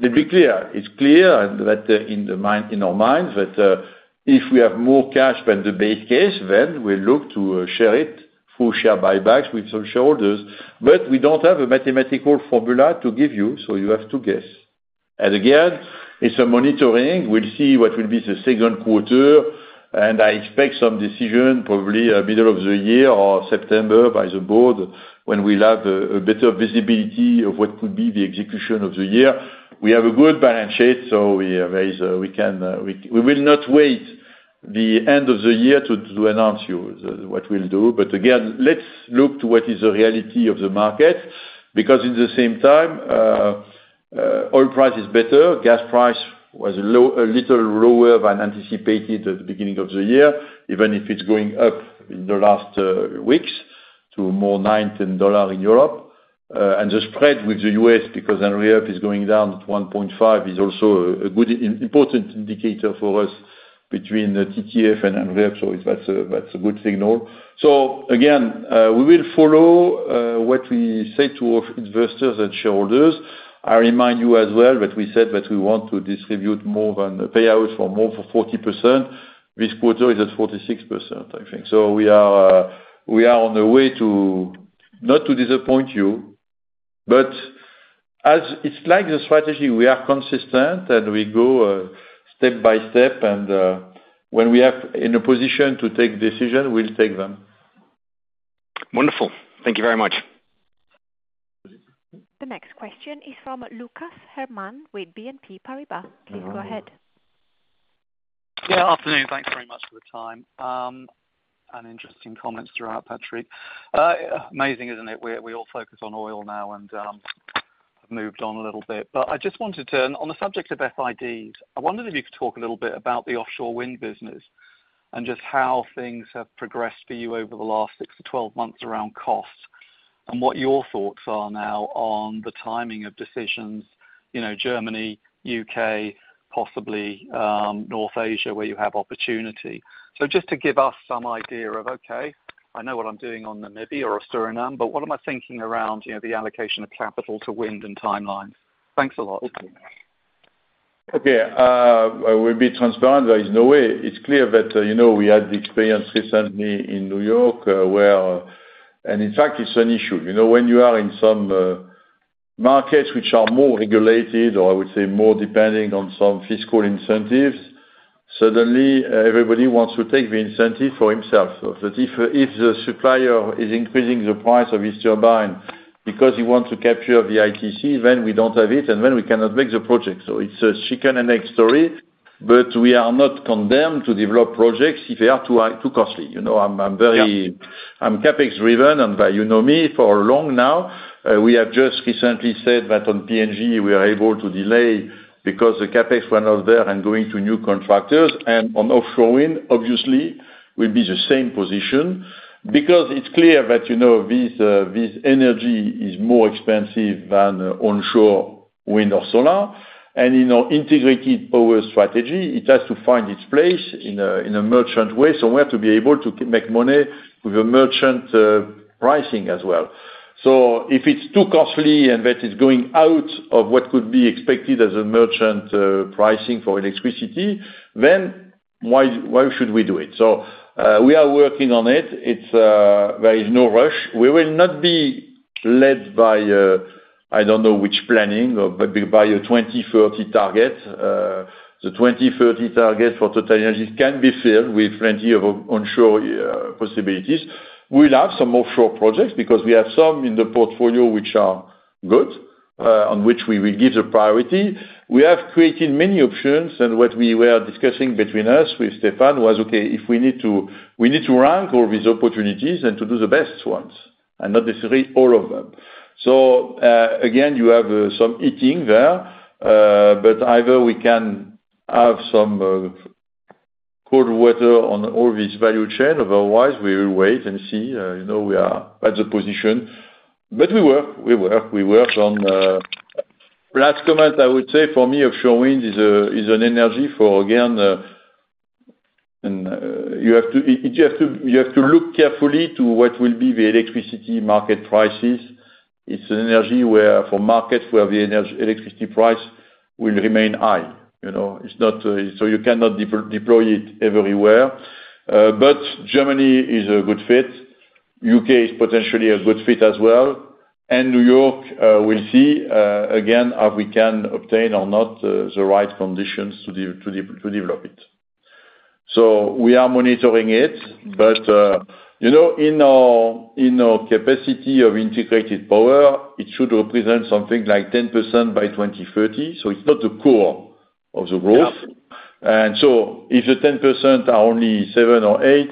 To be clear, it's clear in our minds that if we have more cash than the base case, then we'll look to share it through share buybacks with some shareholders. But we don't have a mathematical formula to give you, so you have to guess. And again, it's a monitoring. We'll see what will be the second quarter, and I expect some decision probably middle of the year or September by the board, when we'll have a better visibility of what could be the execution of the year. We have a good balance sheet, so we can. We will not wait the end of the year to announce you what we'll do. But again, let's look to what is the reality of the market, because at the same time, oil price is better, gas price was low, a little lower than anticipated at the beginning of the year, even if it's going up in the last weeks to more like $9-$10 in Europe. And the spread with the U.S., because Henry Hub is going down to 1.5, is also a good, important indicator for us between the TTF and Henry Hub, so that's a good signal. So again, we will follow what we say to our investors and shareholders. I remind you as well that we said that we want to distribute more than the payout for more than 40%. This quarter is at 46%, I think. So we are on the way to, not to disappoint you, but as it's like the strategy, we are consistent, and we go step by step, and when we have in a position to take decision, we'll take them. Wonderful. Thank you very much. The next question is from Lucas Herrmann with BNP Paribas. Please go ahead. Yeah, afternoon. Thanks very much for the time and interesting comments throughout, Patrick. Amazing, isn't it? We, we all focus on oil now and moved on a little bit. But I just wanted to, on the subject of FIDs, I wondered if you could talk a little bit about the offshore wind business and just how things have progressed for you over the last 6-12 months around cost, and what your thoughts are now on the timing of decisions, you know, Germany, U.K., possibly, North Asia, where you have opportunity. So just to give us some idea of, okay, I know what I'm doing on Namibia or Suriname, but what am I thinking around, you know, the allocation of capital to wind and timelines? Thanks a lot.... Okay, I will be transparent. There is no way. It's clear that, you know, we had the experience recently in New York, and in fact, it's an issue. You know, when you are in some markets which are more regulated or I would say more depending on some fiscal incentives, suddenly everybody wants to take the incentive for himself. So that if the supplier is increasing the price of his turbine because he wants to capture the ITC, then we don't have it, and then we cannot make the project. So it's a chicken and egg story, but we are not condemned to develop projects if they are too, too costly. You know, I'm, I'm very- Yeah. I'm CapEx driven, and, you know me, for long now, we have just recently said that on PNG, we are able to delay because the CapEx were not there and going to new contractors. On offshore wind, obviously, will be the same position. Because it's clear that, you know, this, this energy is more expensive than onshore wind or solar. You know, integrated power strategy, it has to find its place in a, in a merchant way, somewhere to be able to make money with a merchant, pricing as well. So if it's too costly, and that is going out of what could be expected as a merchant, pricing for electricity, then why, why should we do it? So, we are working on it. It's, there is no rush. We will not be led by, I don't know which planning, or by a 2030 target. The 2030 target for TotalEnergies can be filled with plenty of onshore possibilities. We'll have some offshore projects because we have some in the portfolio which are good, on which we will give the priority. We have created many options, and what we were discussing between us, with Stéphane, was, okay, if we need to... we need to rank all these opportunities and to do the best ones, and not necessarily all of them. So, again, you have some heating there, but either we can have some cold weather on all this value chain; otherwise, we will wait and see. You know, we are at the position. But we work, we work, we work on... Last comment, I would say for me, offshore wind is an energy for, again, you have to look carefully to what will be the electricity market prices. It's an energy where, for markets, where the electricity price will remain high. You know, it's not so you cannot deploy it everywhere. But Germany is a good fit. U.K. is potentially a good fit as well. And New York, we'll see, again, if we can obtain or not the right conditions to develop it. So we are monitoring it, but you know, in our capacity of integrated power, it should represent something like 10% by 2030, so it's not the core of the growth. Yeah. If the 10% are only seven or eight,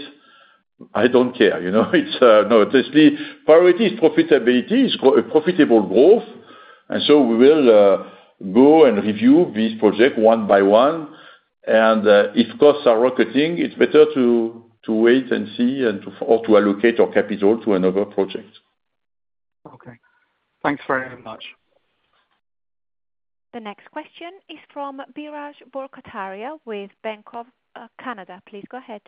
I don't care, you know? It's no, firstly, priority is profitability, is a profitable growth, and so we will go and review this project one by one. If costs are rocketing, it's better to wait and see, or to allocate our capital to another project. Okay. Thanks very much. The next question is from Biraj Borkhataria with RBC Capital Markets. Please go ahead.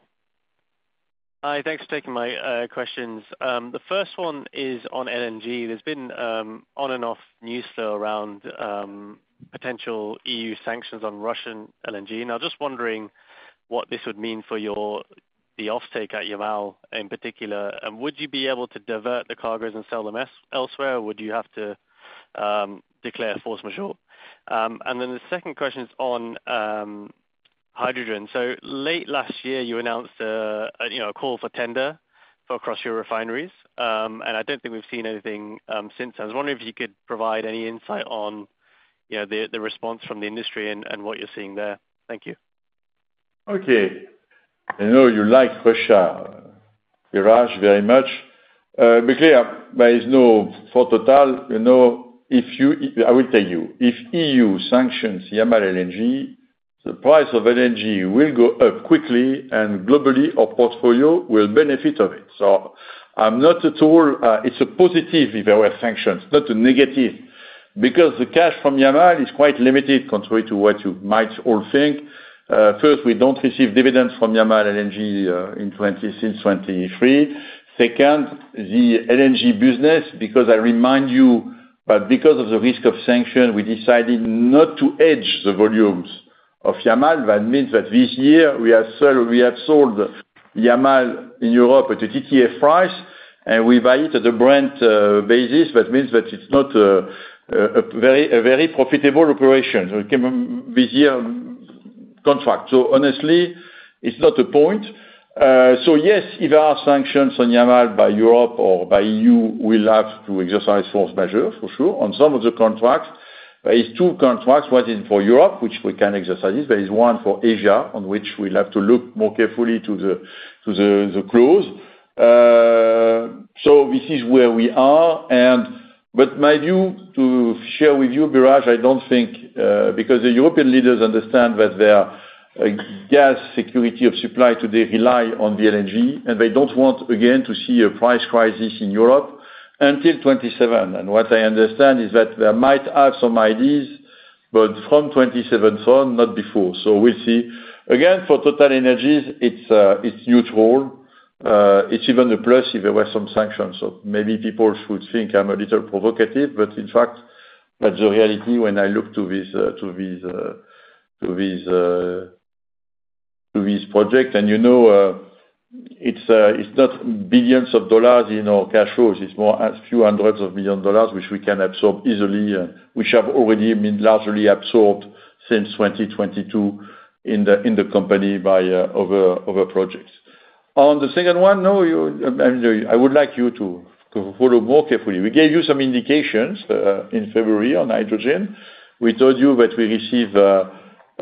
Hi, thanks for taking my questions. The first one is on LNG. There's been on-and-off news flow around potential E.U. sanctions on Russian LNG. And I'm just wondering what this would mean for your offtake at Yamal, in particular. And would you be able to divert the cargos and sell them elsewhere, or would you have to declare force majeure? And then the second question is on hydrogen. So late last year, you announced you know, a call for tender for across your refineries. And I don't think we've seen anything since. I was wondering if you could provide any insight on you know, the response from the industry and what you're seeing there. Thank you. Okay. I know you like Russia, Biraj, very much. Be clear, there is no, for Total, you know, if you... I will tell you, if E.U. sanctions Yamal LNG, the price of LNG will go up quickly and globally, our portfolio will benefit of it. So I'm not at all, it's a positive if there were sanctions, not a negative, because the cash from Yamal is quite limited, contrary to what you might all think. First, we don't receive dividends from Yamal LNG in 20-- since 2023. Second, the LNG business, because I remind you, but because of the risk of sanction, we decided not to hedge the volumes of Yamal. That means that this year, we have sold, we have sold Yamal in Europe at a TTF price, and we buy it at a Brent basis. That means that it's not a very profitable operation. It became a basis contract. So honestly, it's not the point. So yes, if there are sanctions on Yamal by Europe or by EU, we'll have to exercise force majeure, for sure, on some of the contracts. There is two contracts: one is for Europe, which we can exercise, there is one for Asia, on which we'll have to look more carefully to the clause. So this is where we are, and but my view, to share with you, Biraj, I don't think because the European leaders understand that their gas security of supply today rely on the LNG, and they don't want, again, to see a price crisis in Europe until 2027. And what I understand is that they might have some ideas, but from 2027 on, not before. So we'll see. Again, for TotalEnergies, it's a huge role. It's even a plus if there were some sanctions. So maybe people should think I'm a little provocative, but in fact, that's the reality when I look to this project and, you know, it's not billions of dollars in our cash flows, it's more as few hundreds of billion dollars, which we can absorb easily, which have already been largely absorbed since 2022 in the company by other projects. On the second one, no, I would like you to follow more carefully. We gave you some indications in February on hydrogen. We told you that we receive a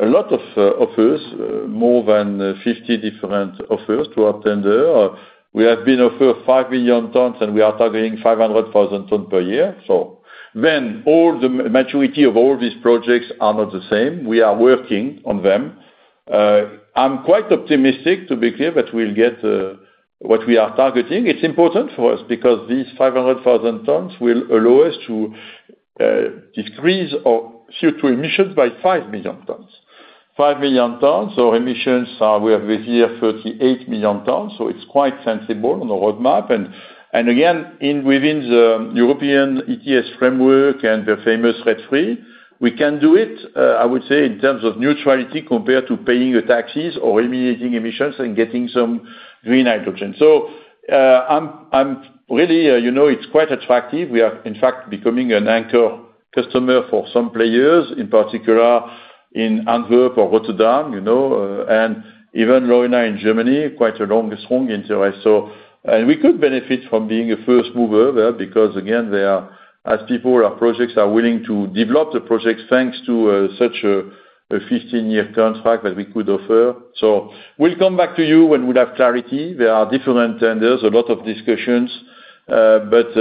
lot of offers, more than 50 different offers to our tender. We have been offered 5 million tons, and we are targeting 500,000 tons per year. So then all the maturity of all these projects are not the same. We are working on them. I'm quite optimistic, to be clear, that we'll get what we are targeting. It's important for us because these 500,000 tons will allow us to decrease our CO2 emissions by 5 million tons. 5 million tons, so emissions are, we have this year 38 million tons, so it's quite sensible on the roadmap. And, and again, within the European ETS framework and the famous REPowerEU, we can do it, I would say, in terms of neutrality compared to paying the taxes or eliminating emissions and getting some green hydrogen. So, I'm, I'm really, you know, it's quite attractive. We are, in fact, becoming an anchor customer for some players, in particular in Henry Hub or Rotterdam, you know, and even Leuna in Germany, quite a long, strong interest. So... And we could benefit from being a first mover there, because, again, they are – as people, our projects are willing to develop the projects, thanks to such a 15-year contract that we could offer. So we'll come back to you when we have clarity. There are different tenders, a lot of discussions, but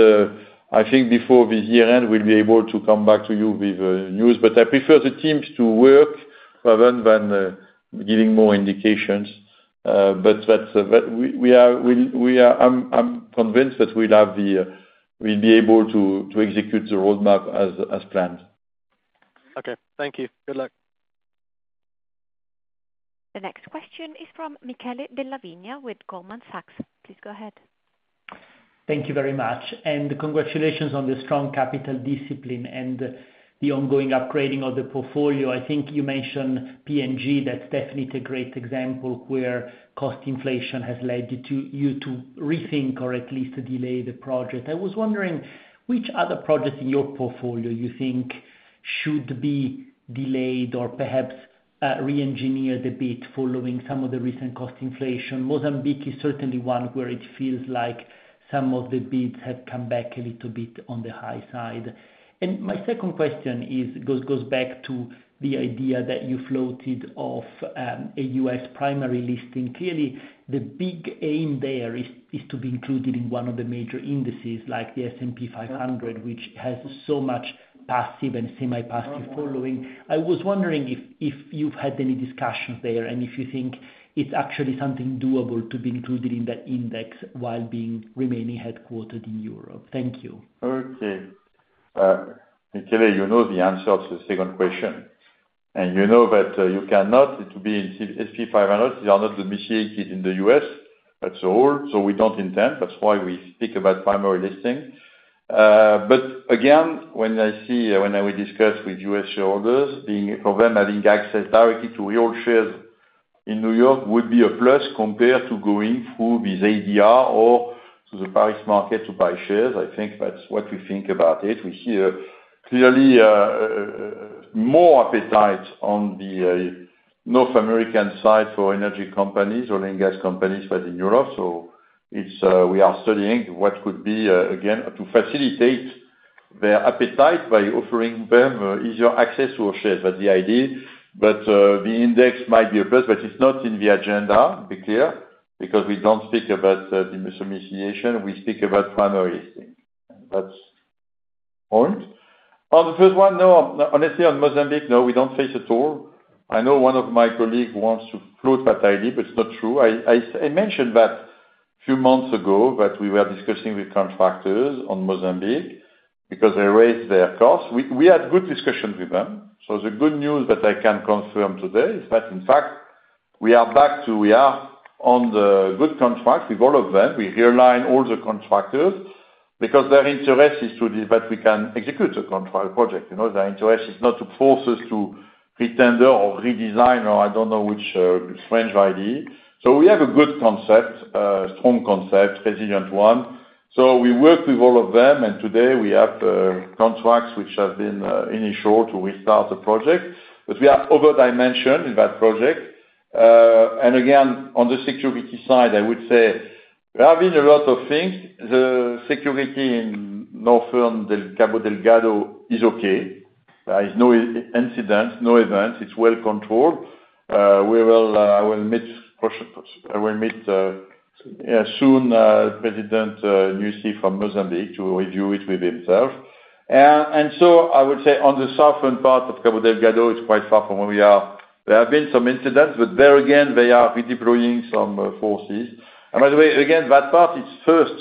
I think before this year end, we'll be able to come back to you with news. But I prefer the teams to work rather than giving more indications. But that we are. I'm convinced that we'll have the, we'll be able to execute the roadmap as planned. Okay. Thank you. Good luck. The next question is from Michele Della Vigna with Goldman Sachs. Please go ahead. Thank you very much, and congratulations on the strong capital discipline and the ongoing upgrading of the portfolio. I think you mentioned PNG, that's definitely a great example where cost inflation has led you to rethink or at least delay the project. I was wondering which other projects in your portfolio you think should be delayed or perhaps reengineered a bit following some of the recent cost inflation? Mozambique is certainly one where it feels like some of the bids have come back a little bit on the high side. My second question goes back to the idea that you floated off a U.S. primary listing. Clearly, the big aim there is to be included in one of the major indices, like the S&P 500, which has so much passive and semi-passive following. I was wondering if you've had any discussions there, and if you think it's actually something doable to be included in that index while being remaining headquartered in Europe? Thank you. Okay. Michele, you know the answer to the second question, and you know that, you cannot to be in S&P 500, you are not domesticated in the U.S. at all, so we don't intend, that's why we speak about primary listing. But again, when I see, when I will discuss with U.S. shareholders, the, for them, having access directly to real shares in New York would be a plus compared to going through this ADR or to the Paris market to buy shares. I think that's what we think about it. We see, clearly, more appetite on the, North American side for energy companies or gas companies than in Europe. So it's, we are studying what could be, again, to facilitate their appetite by offering them, easier access to our shares. That's the idea. But the index might be a plus, but it's not in the agenda. Be clear, because we don't speak about the domestication; we speak about primary, and that's the point. On the first one, no. Honestly, on Mozambique, no, we don't face at all. I know one of my colleagues wants to float that idea, but it's not true. I mentioned that a few months ago that we were discussing with contractors on Mozambique because they raised their costs. We had good discussions with them. So the good news that I can confirm today is that, in fact, we are back to. We are on the good contract with all of them. We realign all the contractors because their interest is to be, that we can execute the contract project. You know, their interest is not to force us to retender or redesign, or I don't know which strange idea. So we have a good concept, strong concept, resilient one. So we work with all of them, and today we have contracts which have been initialed to restart the project. But we are over-dimensioned in that project. And again, on the security side, I would say there have been a lot of things. The security in northern Cabo Delgado is okay. There is no incident, no event. It's well controlled. We will, I will meet soon President Nyusi from Mozambique to review it with himself. And so I would say on the southern part of Cabo Delgado, it's quite far from where we are. There have been some incidents, but there again, they are redeploying some forces. And by the way, again, that part is first,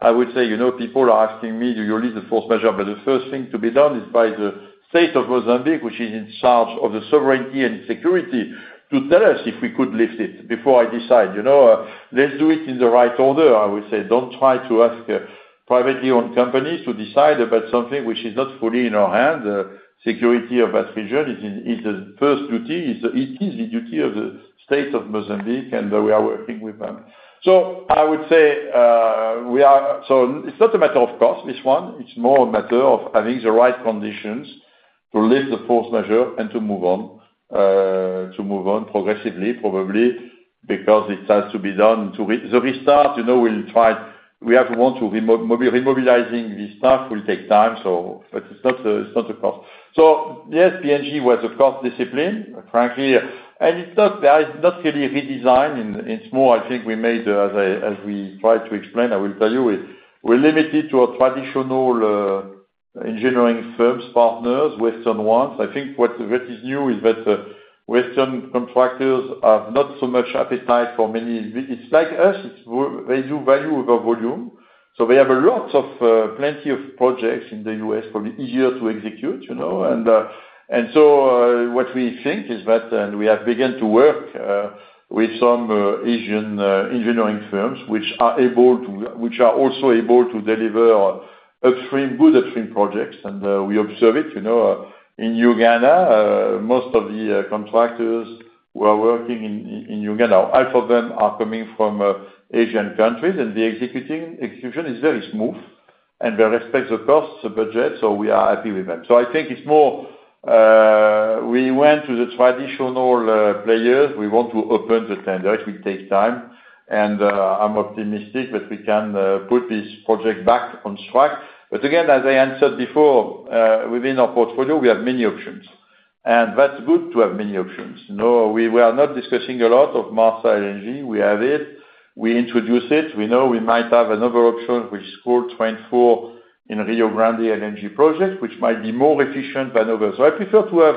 I would say, you know, people are asking me, do you release the force majeure? But the first thing to be done is by the state of Mozambique, which is in charge of the sovereignty and security, to tell us if we could lift it before I decide. You know, let's do it in the right order, I would say. Don't try to ask privately owned companies to decide about something which is not fully in our hands. Security of that region is, is the first duty, is the, it is the duty of the state of Mozambique, and we are working with them. So I would say, we are, so it's not a matter of cost, this one. It's more a matter of having the right conditions to lift the force majeure and to move on to move on progressively, probably because it has to be done to restart, you know, we'll try. We have to want to remobilizing the staff will take time, so, but it's not the cost. So yes, PNG was a cost discipline, frankly, and it's not really redesigned. It's more, I think we made, as we tried to explain, I will tell you, we, we're limited to our traditional engineering firms, partners, Western ones. I think what is new is that Western contractors have not so much appetite for many. It's like us, it's they do value over volume. So they have a lot of plenty of projects in the U.S., probably easier to execute, you know? And so what we think is that, and we have begun to work with some Asian engineering firms, which are able to, which are also able to deliver upstream, good upstream projects. And we observe it, you know, in Uganda, most of the contractors who are working in Uganda, half of them are coming from Asian countries, and the executing, execution is very smooth, and they respect the costs, the budget, so we are happy with them. So I think it's more, we went to the traditional players. We want to open the tender. It will take time, and I'm optimistic that we can put this project back on track. But again, as I answered before, within our portfolio, we have many options, and that's good to have many options. No, we are not discussing a lot of Marsa LNG. We have it, we introduce it, we know we might have another option, which is quarter 2024 in Rio Grande LNG project, which might be more efficient than others. So I prefer to have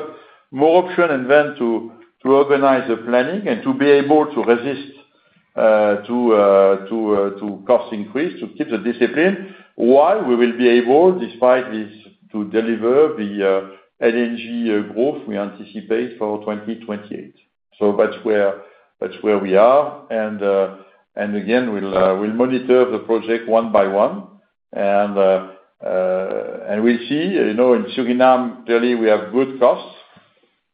more option and then to organize the planning and to be able to resist to cost increase, to keep the discipline, while we will be able, despite this, to deliver the LNG growth we anticipate for 2028. So that's where we are, and again, we'll monitor the project one by one, and we'll see. You know, in Suriname, clearly we have good costs,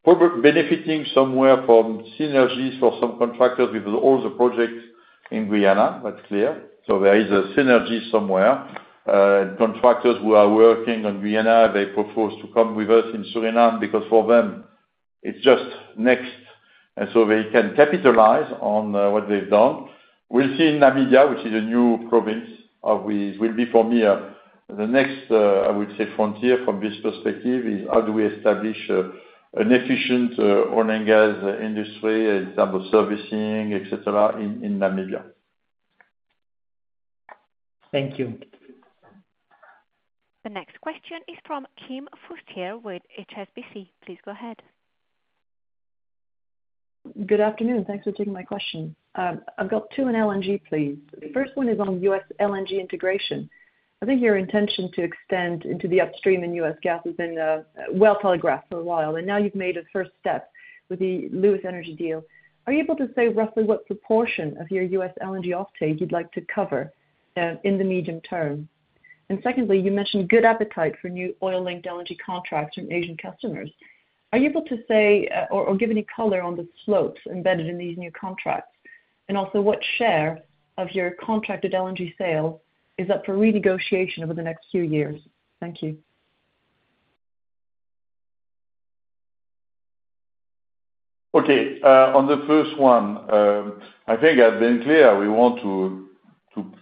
profiting somewhere from synergies for some contractors with all the projects in Guyana, that's clear. So there is a synergy somewhere. Contractors who are working on Guyana, they propose to come with us in Suriname because for them, it's just next, and so they can capitalize on what they've done. We'll see in Namibia, which is a new province, which will be for me the next, I would say, frontier from this perspective, is how do we establish an efficient oil and gas industry, in terms of servicing, et cetera, in Namibia? Thank you. The next question is from Kim Fustier with HSBC. Please go ahead. Good afternoon. Thanks for taking my question. I've got two on LNG, please. The first one is on U.S. LNG integration. I think your intention to extend into the upstream in U.S. gas has been well-telegraphed for a while, and now you've made a first step with the Lewis Energy deal. Are you able to say roughly what proportion of your U.S. LNG offtake you'd like to cover in the medium term? And secondly, you mentioned good appetite for new oil-linked LNG contracts from Asian customers. Are you able to say or give any color on the slopes embedded in these new contracts? And also, what share of your contracted LNG sale is up for renegotiation over the next few years? Thank you. Okay, on the first one, I think I've been clear, we want to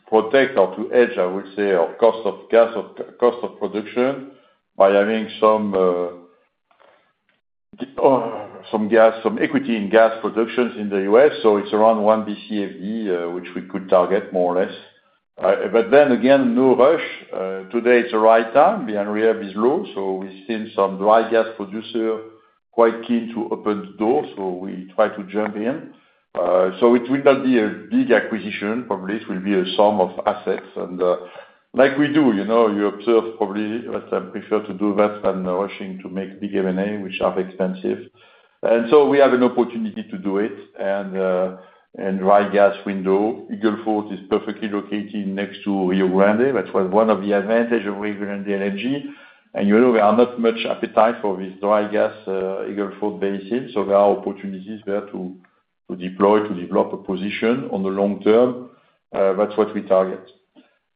protect or to hedge, I would say, our cost of gas or cost of production by having some some gas, some equity in gas productions in the U.S., so it's around one Bcfe, which we could target more or less. But then again, no rush. Today, it's the right time, the Henry Hub is low, so we've seen some dry gas producer quite keen to open the door, so we try to jump in. So it will not be a big acquisition. Probably it will be a sum of assets and, like we do, you know, you observe probably that I prefer to do that than rushing to make big M&A, which are expensive. And so we have an opportunity to do it, and dry gas window, Eagle Ford is perfectly located next to Rio Grande. That was one of the advantage of Rio Grande LNG. And you know, there are not much appetite for this dry gas, Eagle Ford basin, so there are opportunities there to deploy, to develop a position on the long term. That's what we target.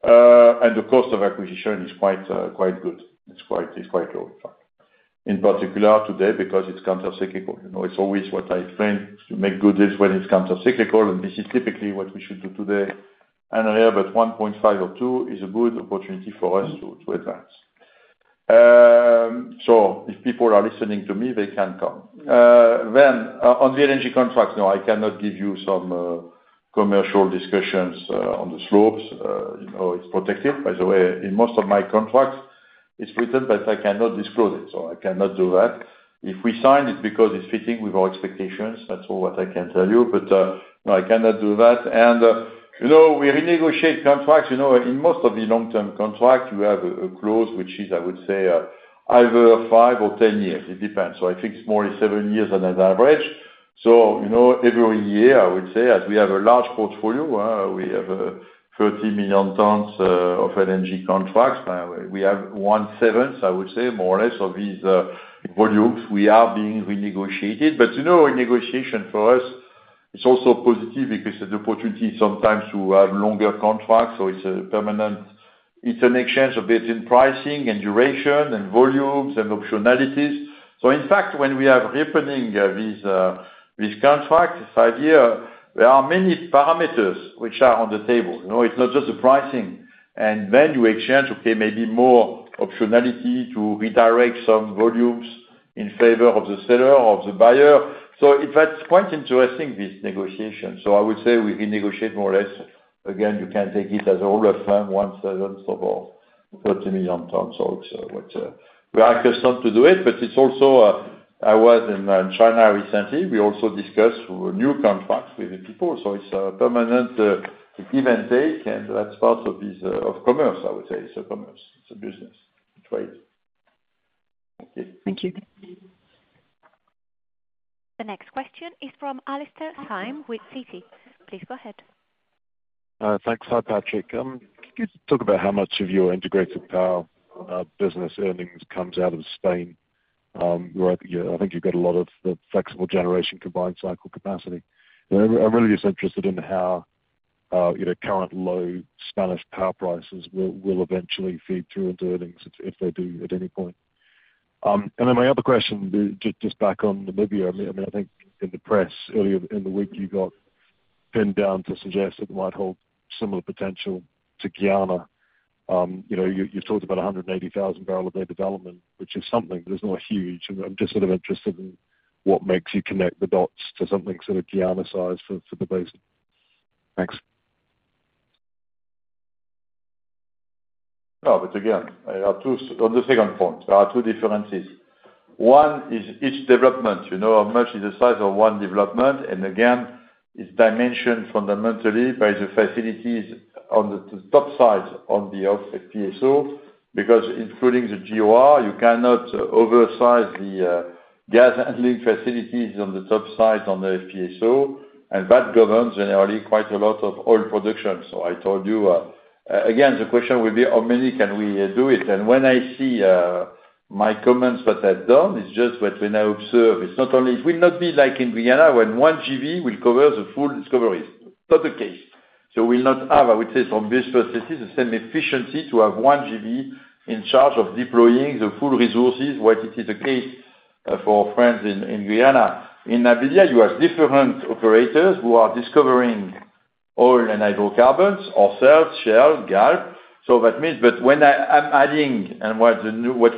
And the cost of acquisition is quite good. It's quite low, in fact, in particular today, because it's countercyclical. You know, it's always what I think to make good deals when it's countercyclical, and this is typically what we should do today. And here, but one point five or two is a good opportunity for us to advance. So if people are listening to me, they can come. Then, on the LNG contract, no, I cannot give you some commercial discussions on the slopes. You know, it's protected. By the way, in most of my contracts. It's written, but I cannot disclose it, so I cannot do that. If we sign, it's because it's fitting with our expectations. That's all what I can tell you, but, no, I cannot do that. And, you know, we renegotiate contracts, you know, in most of the long-term contract, you have a clause which is, I would say, either five or 10 years, it depends. So I think it's more like seven years on an average. So, you know, every year, I would say, as we have a large portfolio, we have 30 million tons of LNG contracts. We have one-seventh, I would say, more or less, of these volumes, we are being renegotiated. But, you know, renegotiation for us, it's also positive because the opportunity sometimes to have longer contracts, so it's a permanent, it's an exchange a bit in pricing and duration and volumes and optionalities. So in fact, when we are opening these contracts, this idea, there are many parameters which are on the table. You know, it's not just the pricing. And then you exchange, okay, maybe more optionality to redirect some volumes in favor of the seller or the buyer. So in fact, it's quite interesting, this negotiation. So I would say we renegotiate more or less. Again, you can take it as a rule of thumb, one-seventh of all, 30 million tons. So it's what we are accustomed to do it, but it's also... I was in China recently, we also discussed through a new contract with the people. So it's a permanent give and take, and that's part of this of commerce, I would say. It's a commerce, it's a business, it's trade. Thank you. Thank you. The next question is from Alastair Syme with Citi. Please go ahead. Thanks. Hi, Patrick. Could you talk about how much of your integrated power business earnings comes out of Spain? You are, yeah, I think you've got a lot of the flexible generation, combined cycle capacity. And I, I'm really just interested in how, you know, current low Spanish power prices will, will eventually feed through into earnings, if, if they do at any point. And then my other question be, just, just back on Namibia, I mean, I mean, I think in the press, earlier in the week, you got pinned down to suggest it might hold similar potential to Guyana. You know, you, you talked about a 180,000 barrel a day development, which is something, but it's not huge. I'm just sort of interested in what makes you connect the dots to something sort of Guyana-sized for the base. Thanks. No, but again, there are two. On the second point, there are two differences. One is each development, you know, how much is the size of one development, and again, it's dimensioned fundamentally by the facilities on the, the top side, on the FPSO, because including the GOR, you cannot oversize the gas handling facilities on the top side, on the FPSO, and that governs generally quite a lot of oil production. So I told you, again, the question will be: How many can we do it? And when I see my comments that I've done, it's just that when I observe, it's not only it will not be like in Guyana, when one FPSO will cover the full discoveries. Not the case. So we will not have, I would say, from this perspective, the same efficiency to have one JV in charge of deploying the full resources, what it is the case for our friends in Guyana. In Namibia, you have different operators who are discovering oil and hydrocarbons, ourselves, Shell, Galp. So that means, but when I'm adding, and what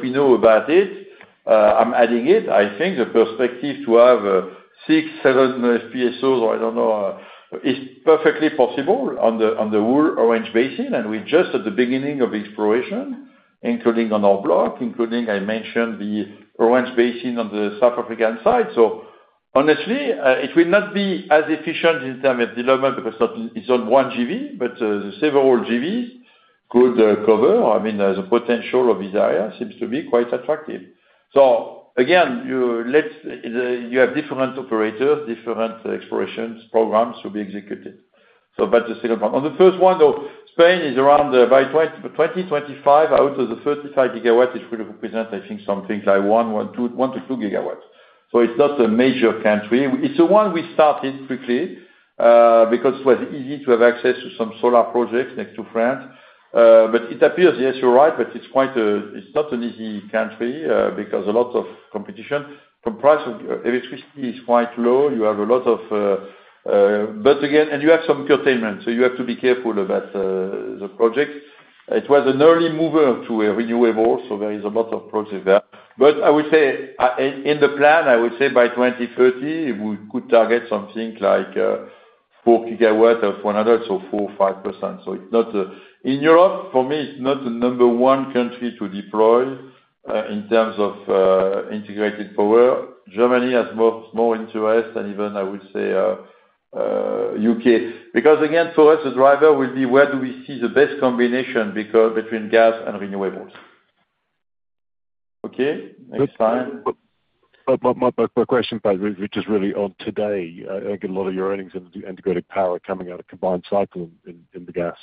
we know about it, I'm adding it, I think the perspective to have six, seven FPSOs, or I don't know, is perfectly possible on the whole Orange Basin, and we're just at the beginning of exploration, including on our block, including, I mentioned, the Orange Basin on the South African side. So honestly, it will not be as efficient in terms of development because it's not, it's on one JV, but the several JVs could cover. I mean, the potential of this area seems to be quite attractive. So again, you have different operators, different exploration programs to be executed. So but the second one. On the first one, though, Spain is around, by 2025, out of the 35 gigawatts, it will represent, I think, something like 1-2 gigawatts. So it's not a major country. It's the one we started quickly, because it was easy to have access to some solar projects next to France. But it appears, yes, you're right, but it's quite, it's not an easy country, because a lot of competition. From price, electricity is quite low. You have a lot of, but again, and you have some curtailment, so you have to be careful about the project. It was an early mover to a renewable, so there is a lot of projects there. But I would say, in the plan, I would say by 2030, we could target something like four GW of 100, so 4%-5%. So it's not, in Europe, for me, it's not the number one country to deploy in terms of integrated power. Germany has more interest, and even I would say U.K., because again, for us, the driver will be where do we see the best combination between gas and renewables. Okay, next slide. But my question, Pat, which is really on today. I get a lot of your earnings in integrated power coming out of combined cycle gas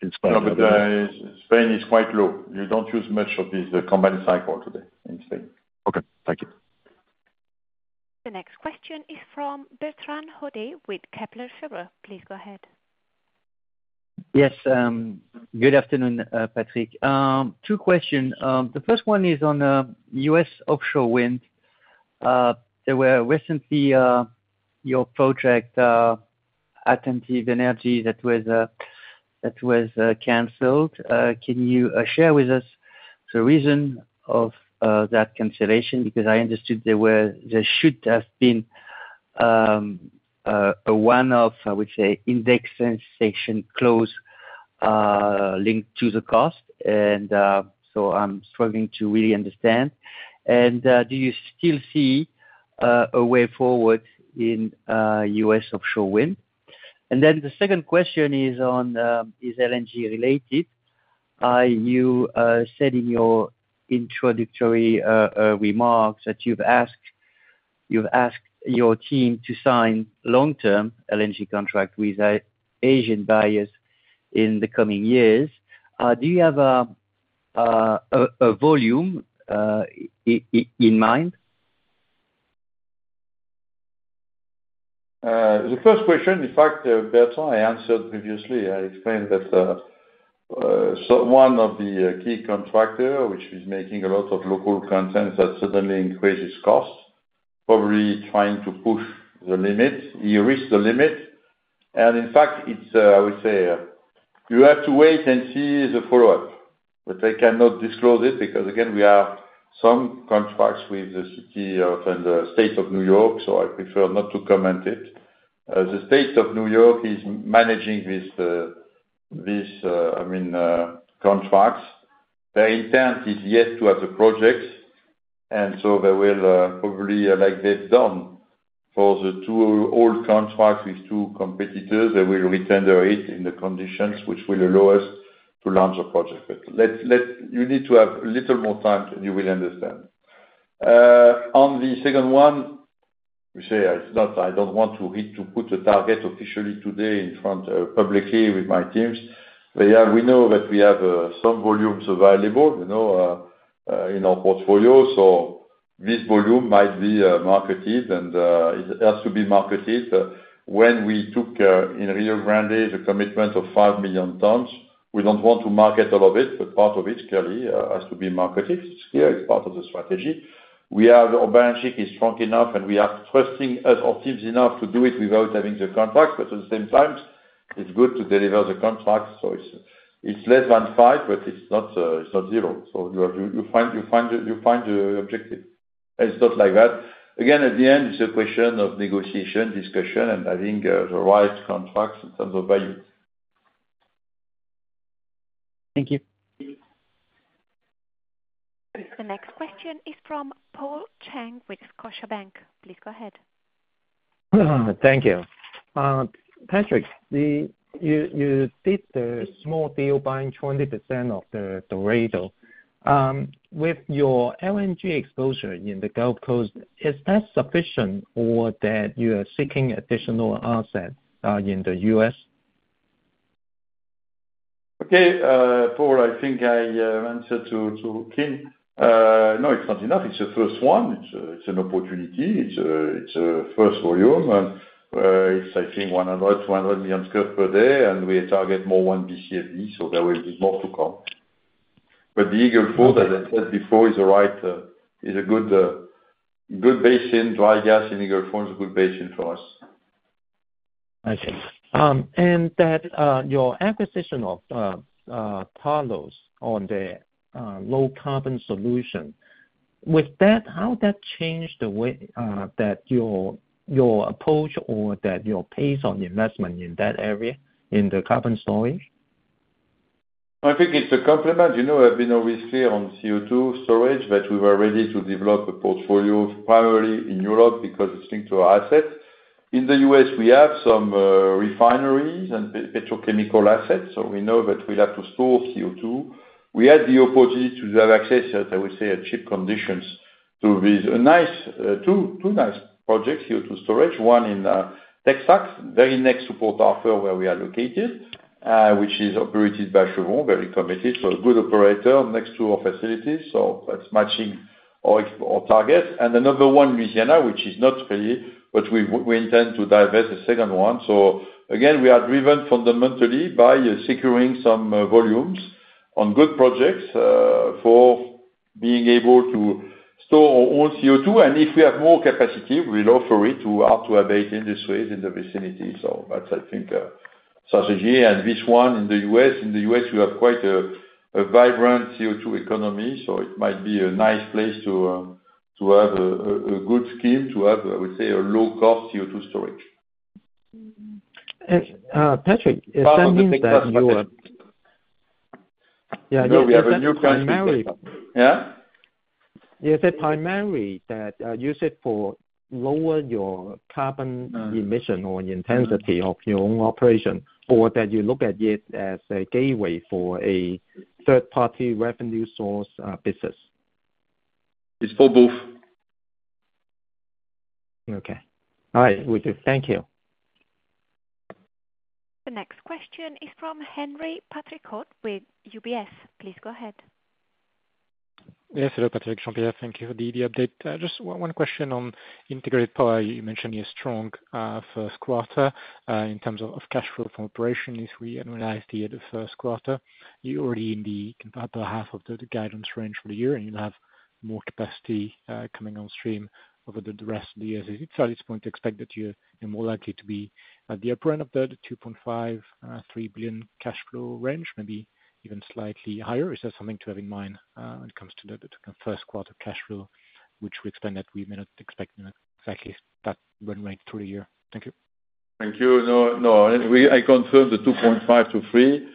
in Spain. No, but, Spain is quite low. You don't use much of the combined cycle today in Spain. Okay, thank you. The next question is from Bertrand Hodee with Kepler Cheuvreux. Please go ahead. Yes, good afternoon, Patrick. Two questions. The first one is on U.S. offshore wind. There were recently your project, Attentive Energy, that was canceled. Can you share with us the reason of that cancellation? Because I understood there should have been a kind of, I would say, indexation clause linked to the cost. And so I'm struggling to really understand. And do you still see a way forward in U.S. offshore wind? And then the second question is on LNG related. You said in your introductory remarks that you've asked your team to sign long-term LNG contract with Asian buyers in the coming years. Do you have a volume in mind? The first question, in fact, Bertrand, I answered previously. I explained that, so one of the key contractor, which is making a lot of local content, that suddenly increases cost, probably trying to push the limit. He reached the limit, and in fact, it's, I would say, you have to wait and see the follow-up, but I cannot disclose it because, again, we have some contracts with the city of, and the state of New York, so I prefer not to comment it. The state of New York is managing this, this, I mean, contracts. Their intent is yet to have the projects, and so they will, probably, like they've done for the two old contracts with two competitors, they will retender it in the conditions which will allow us to launch a project. But let's. You need to have a little more time, and you will understand. On the second one, let me say, it's not I don't want to hit, to put a target officially today in front, publicly with my teams. But, yeah, we know that we have some volumes available, you know, in our portfolio, so this volume might be marketed and it has to be marketed. When we took in Rio Grande, the commitment of 5 million tons, we don't want to market all of it, but part of it clearly has to be marketed. Yeah, it's part of the strategy. We have... Our balance sheet is strong enough, and we are trusting as our teams enough to do it without having the contract, but at the same time, it's good to deliver the contract. So it's less than five, but it's not zero. So you have, you find your objective. It's not like that. Again, at the end, it's a question of negotiation, discussion, and having the right contracts in terms of value. Thank you. The next question is from Paul Cheng with Scotiabank. Please go ahead. Thank you. Patrick, you did the small deal buying 20% of the Dorado. With your LNG exposure in the Gulf Coast, is that sufficient or that you are seeking additional assets in the US? Okay. Paul, I think I answered to, to Kim. No, it's not enough. It's the first one. It's an opportunity. It's a first volume, and it's, I think, 100-200 million scf per day, and we target more one Bcf/d, so there will be more to come. But the Eagle Ford, as I said before, is a right, is a good, good basin. Dry gas in Eagle Ford is a good basin for us. I see. And that, your acquisition of Kyon, on the low carbon solution, with that, how that change the way, that your approach or that your pace on investment in that area, in the carbon storage? I think it's a complement. You know, I've been always clear on CO2 storage, that we were ready to develop a portfolio primarily in Europe because it's linked to our assets. In the U.S., we have some refineries and petrochemical assets, so we know that we'll have to store CO2. We had the opportunity to have access at, I would say, at cheap conditions, to these nice two nice projects, CO2 storage, one in Texas, very next to Port Arthur, where we are located, which is operated by Chevron, very committed, so a good operator next to our facilities, so that's matching our target. And another one, Louisiana, which is not ready, but we intend to divest a second one. So again, we are driven fundamentally by securing some volumes on good projects for being able to store our own CO2, and if we have more capacity, we'll offer it to hard-to-abate industries in the vicinity. So that's, I think, strategy. And this one in the U.S., in the U.S., we have quite a vibrant CO2 economy, so it might be a nice place to have a good scheme, to have, I would say, a low-cost CO2 storage. Patrick, does that mean that you are- No, we have a new- Yeah. Yeah? Is it primarily that, use it for lower your carbon emission- Mm-hmm. or intensity of your own operation, or that you look at it as a gateway for a third-party revenue source, business? It's for both. Okay. All right, thank you. The next question is from Henri Patricot with UBS. Please go ahead. Yes, hello, Patrick Jean-Pierre. Thank you for the update. Just one question on Integrated Power. You mentioned a strong first quarter in terms of cash flow from operation. If we analyze the first quarter, you're already in the upper half of the guidance range for the year, and you have more capacity coming on stream over the rest of the year. So at this point, expect that you are more likely to be at the upper end of the 2.5 billion-3 billion cash flow range, maybe even slightly higher. Is that something to have in mind when it comes to the first quarter cash flow, which we expect that we may not expect exactly that run rate through the year? Thank you.... Thank you. No, no, we. I confirm the two point five-three.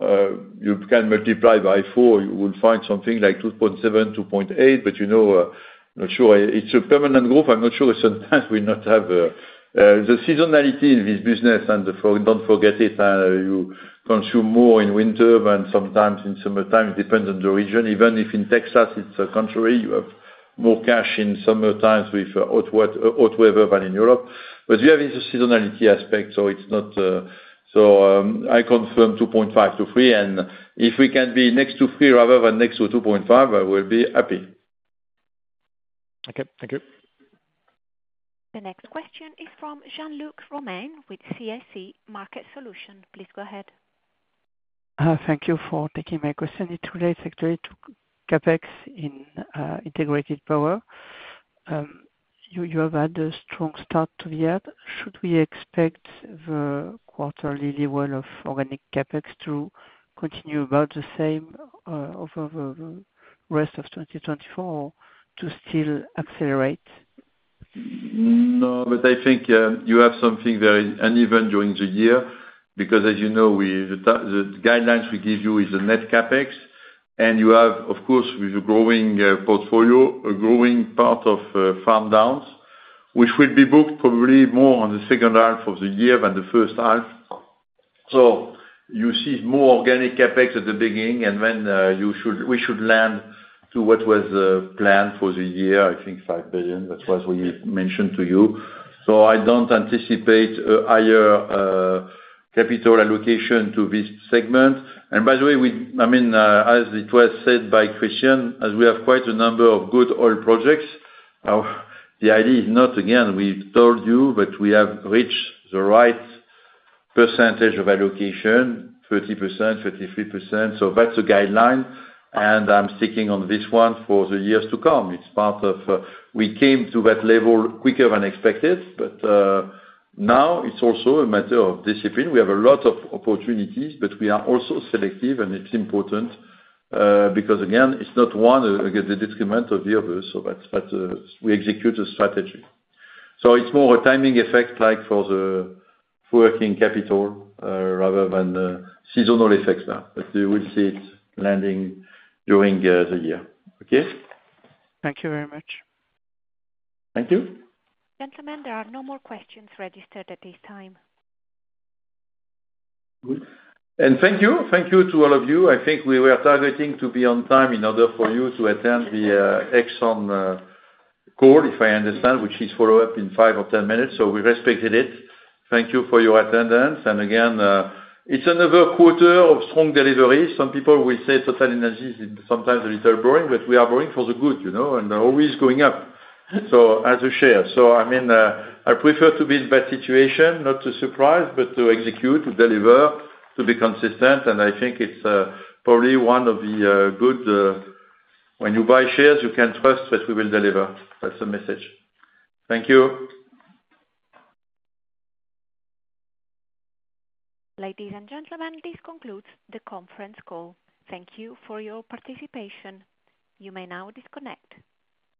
You can multiply by four, you will find something like two point seven, two point eight, but, you know, not sure. It's a permanent group. I'm not sure sometimes we not have the seasonality in this business and the – don't forget it, you consume more in winter than sometimes in summertime, depends on the region. Even if in Texas, it's contrary, you have more cash in summer times with hot weather than in Europe. But you have the seasonality aspect, so it's not so, I confirm two point five-three, and if we can be next to three rather than next to two point five, I will be happy. Okay, thank you. The next question is from Jean-Luc Romain with CIC Market Solutions. Please go ahead. Thank you for taking my question. It relates actually to CapEx in Integrated Power. You have had a strong start to the year. Should we expect the quarterly level of organic CapEx to continue about the same over the rest of 2024, to still accelerate? No, but I think, you have something very uneven during the year, because as you know, we, the guidelines we give you is a net CapEx. And you have, of course, with a growing, portfolio, a growing part of, farm downs, which will be booked probably more on the second half of the year than the first half. So you see more organic CapEx at the beginning, and then, you should, we should land to what was, planned for the year, I think $5 billion. That's what we mentioned to you. So I don't anticipate a higher, capital allocation to this segment. By the way, I mean, as it was said by Christyan, as we have quite a number of good oil projects, our, the idea is not, again, we've told you that we have reached the right percentage of allocation, 30%, 33%, so that's a guideline. I'm sticking on this one for the years to come. It's part of, we came to that level quicker than expected, but, now it's also a matter of discipline. We have a lot of opportunities, but we are also selective, and it's important, because, again, it's not one, against the detriment of the other, so that's, but, we execute a strategy. So it's more a timing effect, like for the working capital, rather than the seasonal effects now, but you will see it landing during, the year. Okay? Thank you very much. Thank you. Gentlemen, there are no more questions registered at this time. Good. Thank you. Thank you to all of you. I think we were targeting to be on time in order for you to attend the Exxon call, if I understand, which is follow up in five or 10 minutes, so we respected it. Thank you for your attendance. Again, it's another quarter of strong delivery. Some people will say TotalEnergies is sometimes a little boring, but we are boring for the good, you know, and always going up, so as a share. So, I mean, I prefer to be in that situation, not to surprise, but to execute, to deliver, to be consistent, and I think it's probably one of the good... When you buy shares, you can trust that we will deliver. That's the message. Thank you. Ladies and gentlemen, this concludes the conference call. Thank you for your participation. You may now disconnect.